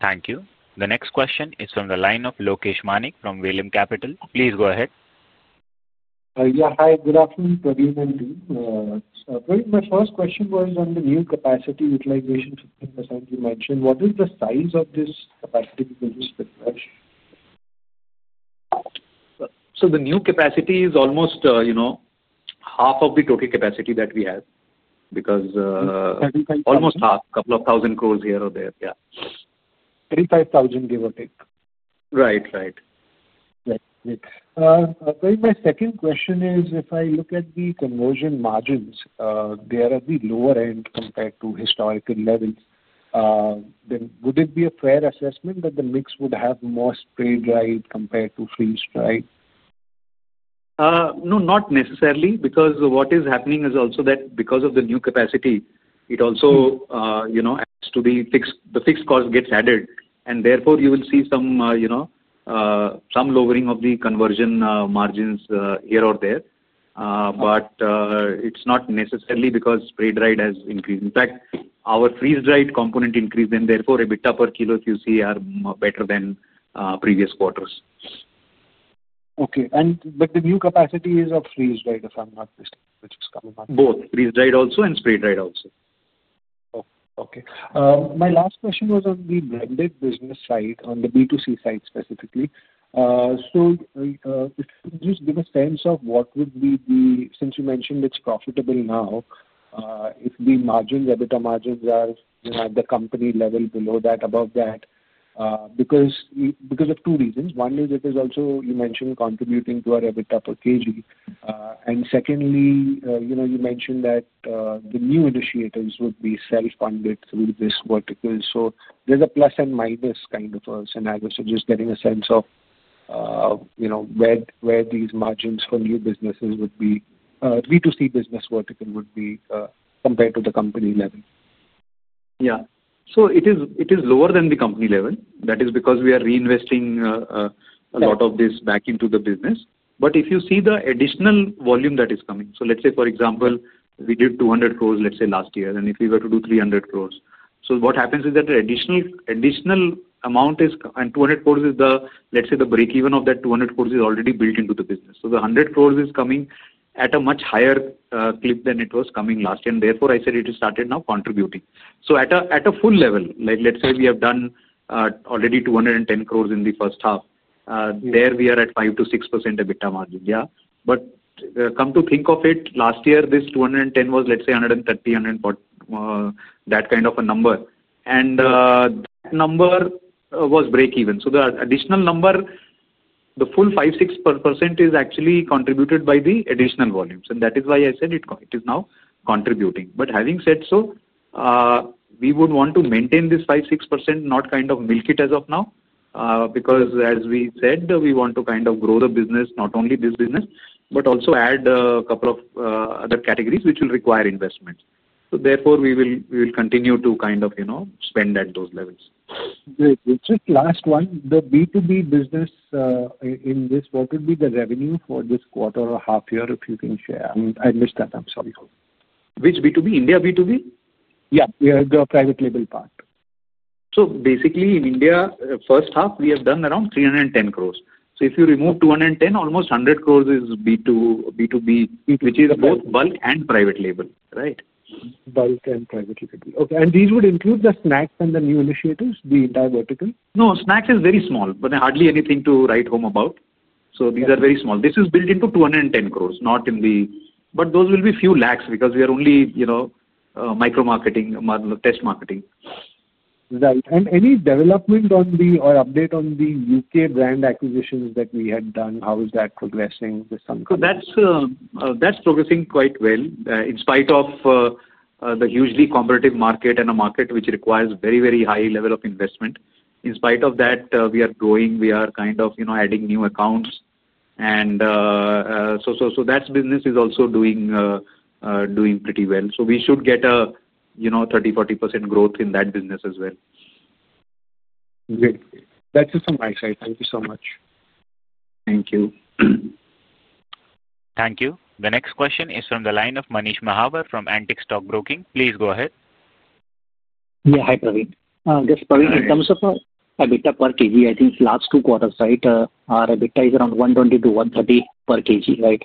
A: Thank you. The next question is from the line of Lokesh Manik from Vallum Capital. Please go ahead.
Q: Yeah. Hi. Good afternoon, Praveen, and team. Praveen, my first question was on the new capacity utilization, 15% you mentioned. What is the size of this capacity you can just refresh?
C: The new capacity is almost half of the total capacity that we have because almost half, a couple of thousand crores here or there, yeah. 35,000, give or take.
Q: Right, right. Right, right. Praveen, my second question is, if I look at the conversion margins, they are at the lower end compared to historical levels. Then, would it be a fair assessment that the mix would have more spray dried compared to freeze-dried?
C: No, not necessarily because what is happening is also that because of the new capacity, it also has to be fixed. The fixed cost gets added, and therefore, you will see some lowering of the conversion margins here or there. It is not necessarily because spray dried has increased. In fact, our freeze-dried component increased, and therefore, EBITDA per kilo, if you see, are better than previous quarters.
Q: Okay. The new capacity is of freeze-dried, if I'm not mistaken, which is coming up?
C: Both, freeze-dried also and spray dried also.
Q: Okay. My last question was on the blended business side, on the B2C side specifically. Just give a sense of what would be the, since you mentioned it's profitable now. If the margins, EBITDA margins are at the company level below that, above that. Because of two reasons. One is it is also, you mentioned, contributing to our EBITDA per kg. And secondly, you mentioned that the new initiatives would be self-funded through this vertical. There's a plus and minus kind of scenario. Just getting a sense of where these margins for new businesses would be, B2C business vertical would be compared to the company level.
C: Yeah. It is lower than the company level. That is because we are reinvesting a lot of this back into the business. If you see the additional volume that is coming, for example, we did 200 crore last year, and if we were to do 300 crore, what happens is that the additional amount is, and 200 crore is the, let's say, the break-even of that 200 crore is already built into the business. The 100 crore is coming at a much higher clip than it was coming last year. Therefore, I said it started now contributing. At a full level, let's say we have done already 210 crore in the first half. There, we are at 5%-6% EBITDA margin, yeah. Come to think of it, last year, this 210 was, let's say, 130-140, that kind of a number. That number was break-even. The additional number, the full 5%-6%, is actually contributed by the additional volumes. That is why I said it is now contributing. Having said so, we would want to maintain this 5%-6%, not kind of milk it as of now. As we said, we want to kind of grow the business, not only this business, but also add a couple of other categories which will require investment. Therefore, we will continue to kind of spend at those levels.
Q: Great. Just last one. The B2B business. In this, what would be the revenue for this quarter or half year, if you can share? I missed that. I'm sorry.
C: Which B2B? India B2B?
Q: Yeah. The private label part.
C: Basically, in India, first half, we have done around 310 crore. If you remove 210 crore, almost 100 crore is B2B, which is both bulk and private label, right?
Q: Bulk and private label. Okay. These would include the snacks and the new initiatives, the entire vertical?
C: No, snacks is very small, but hardly anything to write home about. These are very small. This is built into 210 crore, not in the, but those will be a few lakh because we are only micro-marketing, test marketing.
Q: Right. Any development on the, or update on the U.K. brand acquisitions that we had done, how is that progressing with some companies?
C: That's progressing quite well. In spite of the hugely competitive market and a market which requires very, very high level of investment, in spite of that, we are growing. We are kind of adding new accounts. That business is also doing pretty well. We should get a 30%-40% growth in that business as well.
Q: Great. That's it from my side. Thank you so much.
C: Thank you.
A: Thank you. The next question is from the line of Manish Mahawar from Antique Stock Broking. Please go ahead.
R: Yeah. Hi, Praveen. Just Praveen, in terms of EBITDA per kg, I think last two quarters, right, our EBITDA is around 120-130 per kg, right?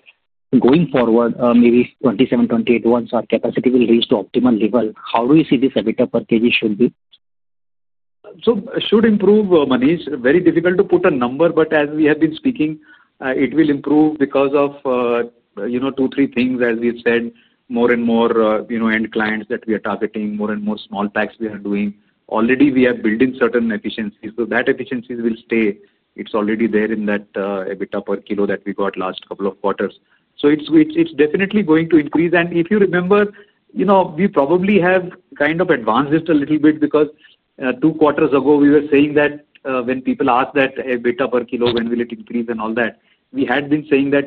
R: Going forward, maybe 2027, 2028, once our capacity will reach the optimal level, how do you see this EBITDA per kg should be?
C: Should improve, Manish. Very difficult to put a number, but as we have been speaking, it will improve because of two, three things, as we said, more and more end clients that we are targeting, more and more small packs we are doing. Already, we are building certain efficiencies. That efficiency will stay. It is already there in that EBITDA per kilo that we got last couple of quarters. It is definitely going to increase. If you remember, we probably have kind of advanced it a little bit because two quarters ago, we were saying that when people asked that EBITDA per kilo, when will it increase and all that, we had been saying that.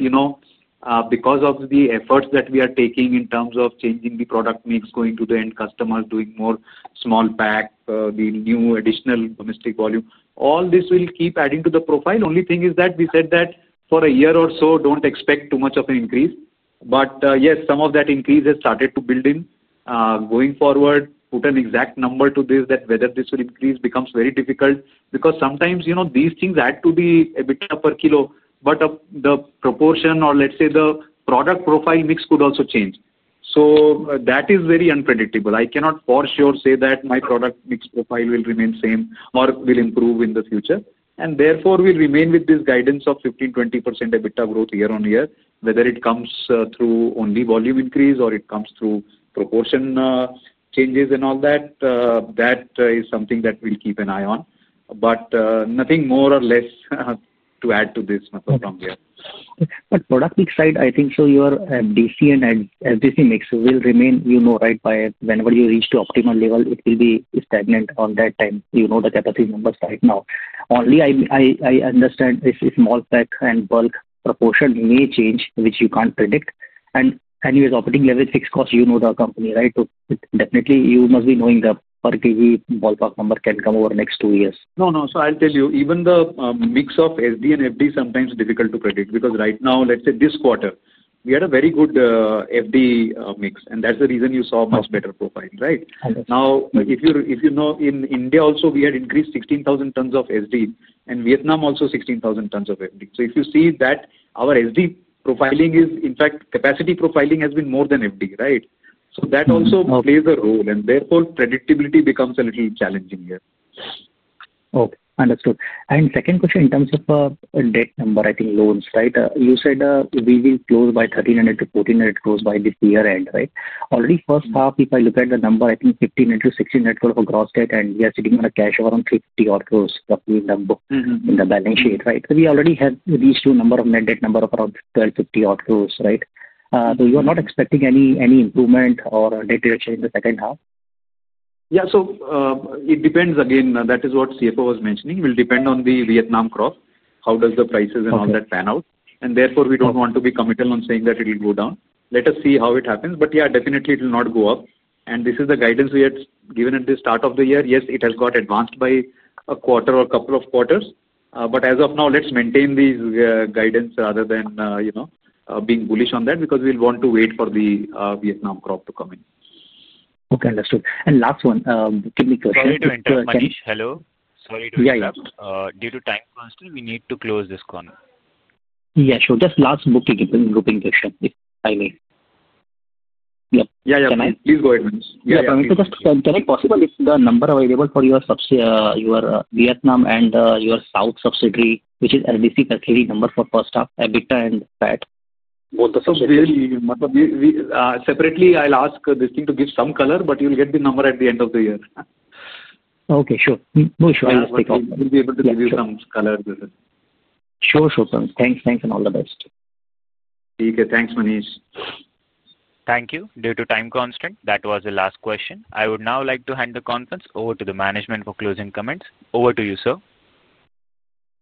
C: Because of the efforts that we are taking in terms of changing the product mix, going to the end customers, doing more small pack, the new additional domestic volume, all this will keep adding to the profile. The only thing is that we said that for a year or so, do not expect too much of an increase. Yes, some of that increase has started to build in. Going forward, to put an exact number to this, whether this will increase becomes very difficult because sometimes these things add to the EBITDA per kilo, but the proportion or, let's say, the product profile mix could also change. That is very unpredictable. I cannot for sure say that my product mix profile will remain the same or will improve in the future. Therefore, we'll remain with this guidance of 15%-20% EBITDA growth year on year, whether it comes through only volume increase or it comes through proportion changes and all that. That is something that we'll keep an eye on. Nothing more or less to add to this from here.
R: Product mix side, I think so your FDC and FDC mix will remain, you know, right, whenever you reach the optimal level, it will be stagnant all that time. You know the capacity numbers right now. Only I understand small pack and bulk proportion may change, which you can't predict. Anyways, operating level fixed cost, you know the company, right? Definitely, you must be knowing the per kg ballpark number can come over the next two years.
C: No, no. I'll tell you, even the mix of SD and FD sometimes is difficult to predict because right now, let's say this quarter, we had a very good FD mix. That's the reason you saw a much better profile, right? Now, if you know, in India also, we had increased 16,000 tons of SD, and Vietnam also 16,000 tons of FD. If you see that our SD profiling is, in fact, capacity profiling has been more than FD, right? That also plays a role. Therefore, predictability becomes a little challenging here.
R: Okay. Understood. Second question, in terms of debt number, I think loans, right? You said we will close by 1,300-1,400 crore by this year-end, right? Already, first half, if I look at the number, I think 1,500- 1,600 crore of gross debt, and we are sitting on a cash of around 50-odd crore roughly number in the balance sheet, right? We already have reached a number of net debt number of around 1,250-odd crore, right? You are not expecting any improvement or debt reduction in the second half?
C: Yeah. It depends. Again, that is what the CFO was mentioning. It will depend on the Vietnam crop, how the prices and all that pan out. Therefore, we do not want to be committal on saying that it will go down. Let us see how it happens. Yeah, definitely, it will not go up. This is the guidance we had given at the start of the year. Yes, it has got advanced by a quarter or a couple of quarters. As of now, let's maintain this guidance rather than being bullish on that because we will want to wait for the Vietnam crop to come in.
R: Okay. Understood. And last one, give me a question.
C: Sorry to interrupt. Manish, hello. Sorry to interrupt. Due to time constraint, we need to close this call.
R: Yeah. Sure. Just last booking grouping question, if I may.
C: Yeah, yeah. Please go ahead, Manish.
R: Yeah. Can I, possible, if the number available for your Vietnam and your South subsidiary, which is LDC, KCD number for first half, EBITDA and PAT?
C: Separately, I'll ask this thing to give some color, but you'll get the number at the end of the year.
R: Okay. Sure. No, sure. I'll stay calm.
C: I'll be able to give you some color with it.
R: Sure, sure. Thanks. Thanks and all the best.
C: Okay. Thanks, Manish.
A: Thank you. Due to time constraint, that was the last question. I would now like to hand the conference over to the management for closing comments. Over to you, sir.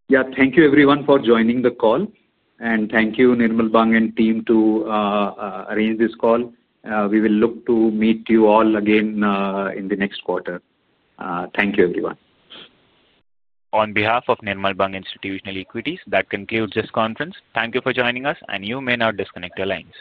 C: Yeah. Thank you, everyone, for joining the call. Thank you, Nirmal Bang and team, to arrange this call. We will look to meet you all again in the next quarter. Thank you, everyone.
A: On behalf of Nirmal Bang Institutional Equities, that concludes this conference. Thank you for joining us, and you may now disconnect your lines.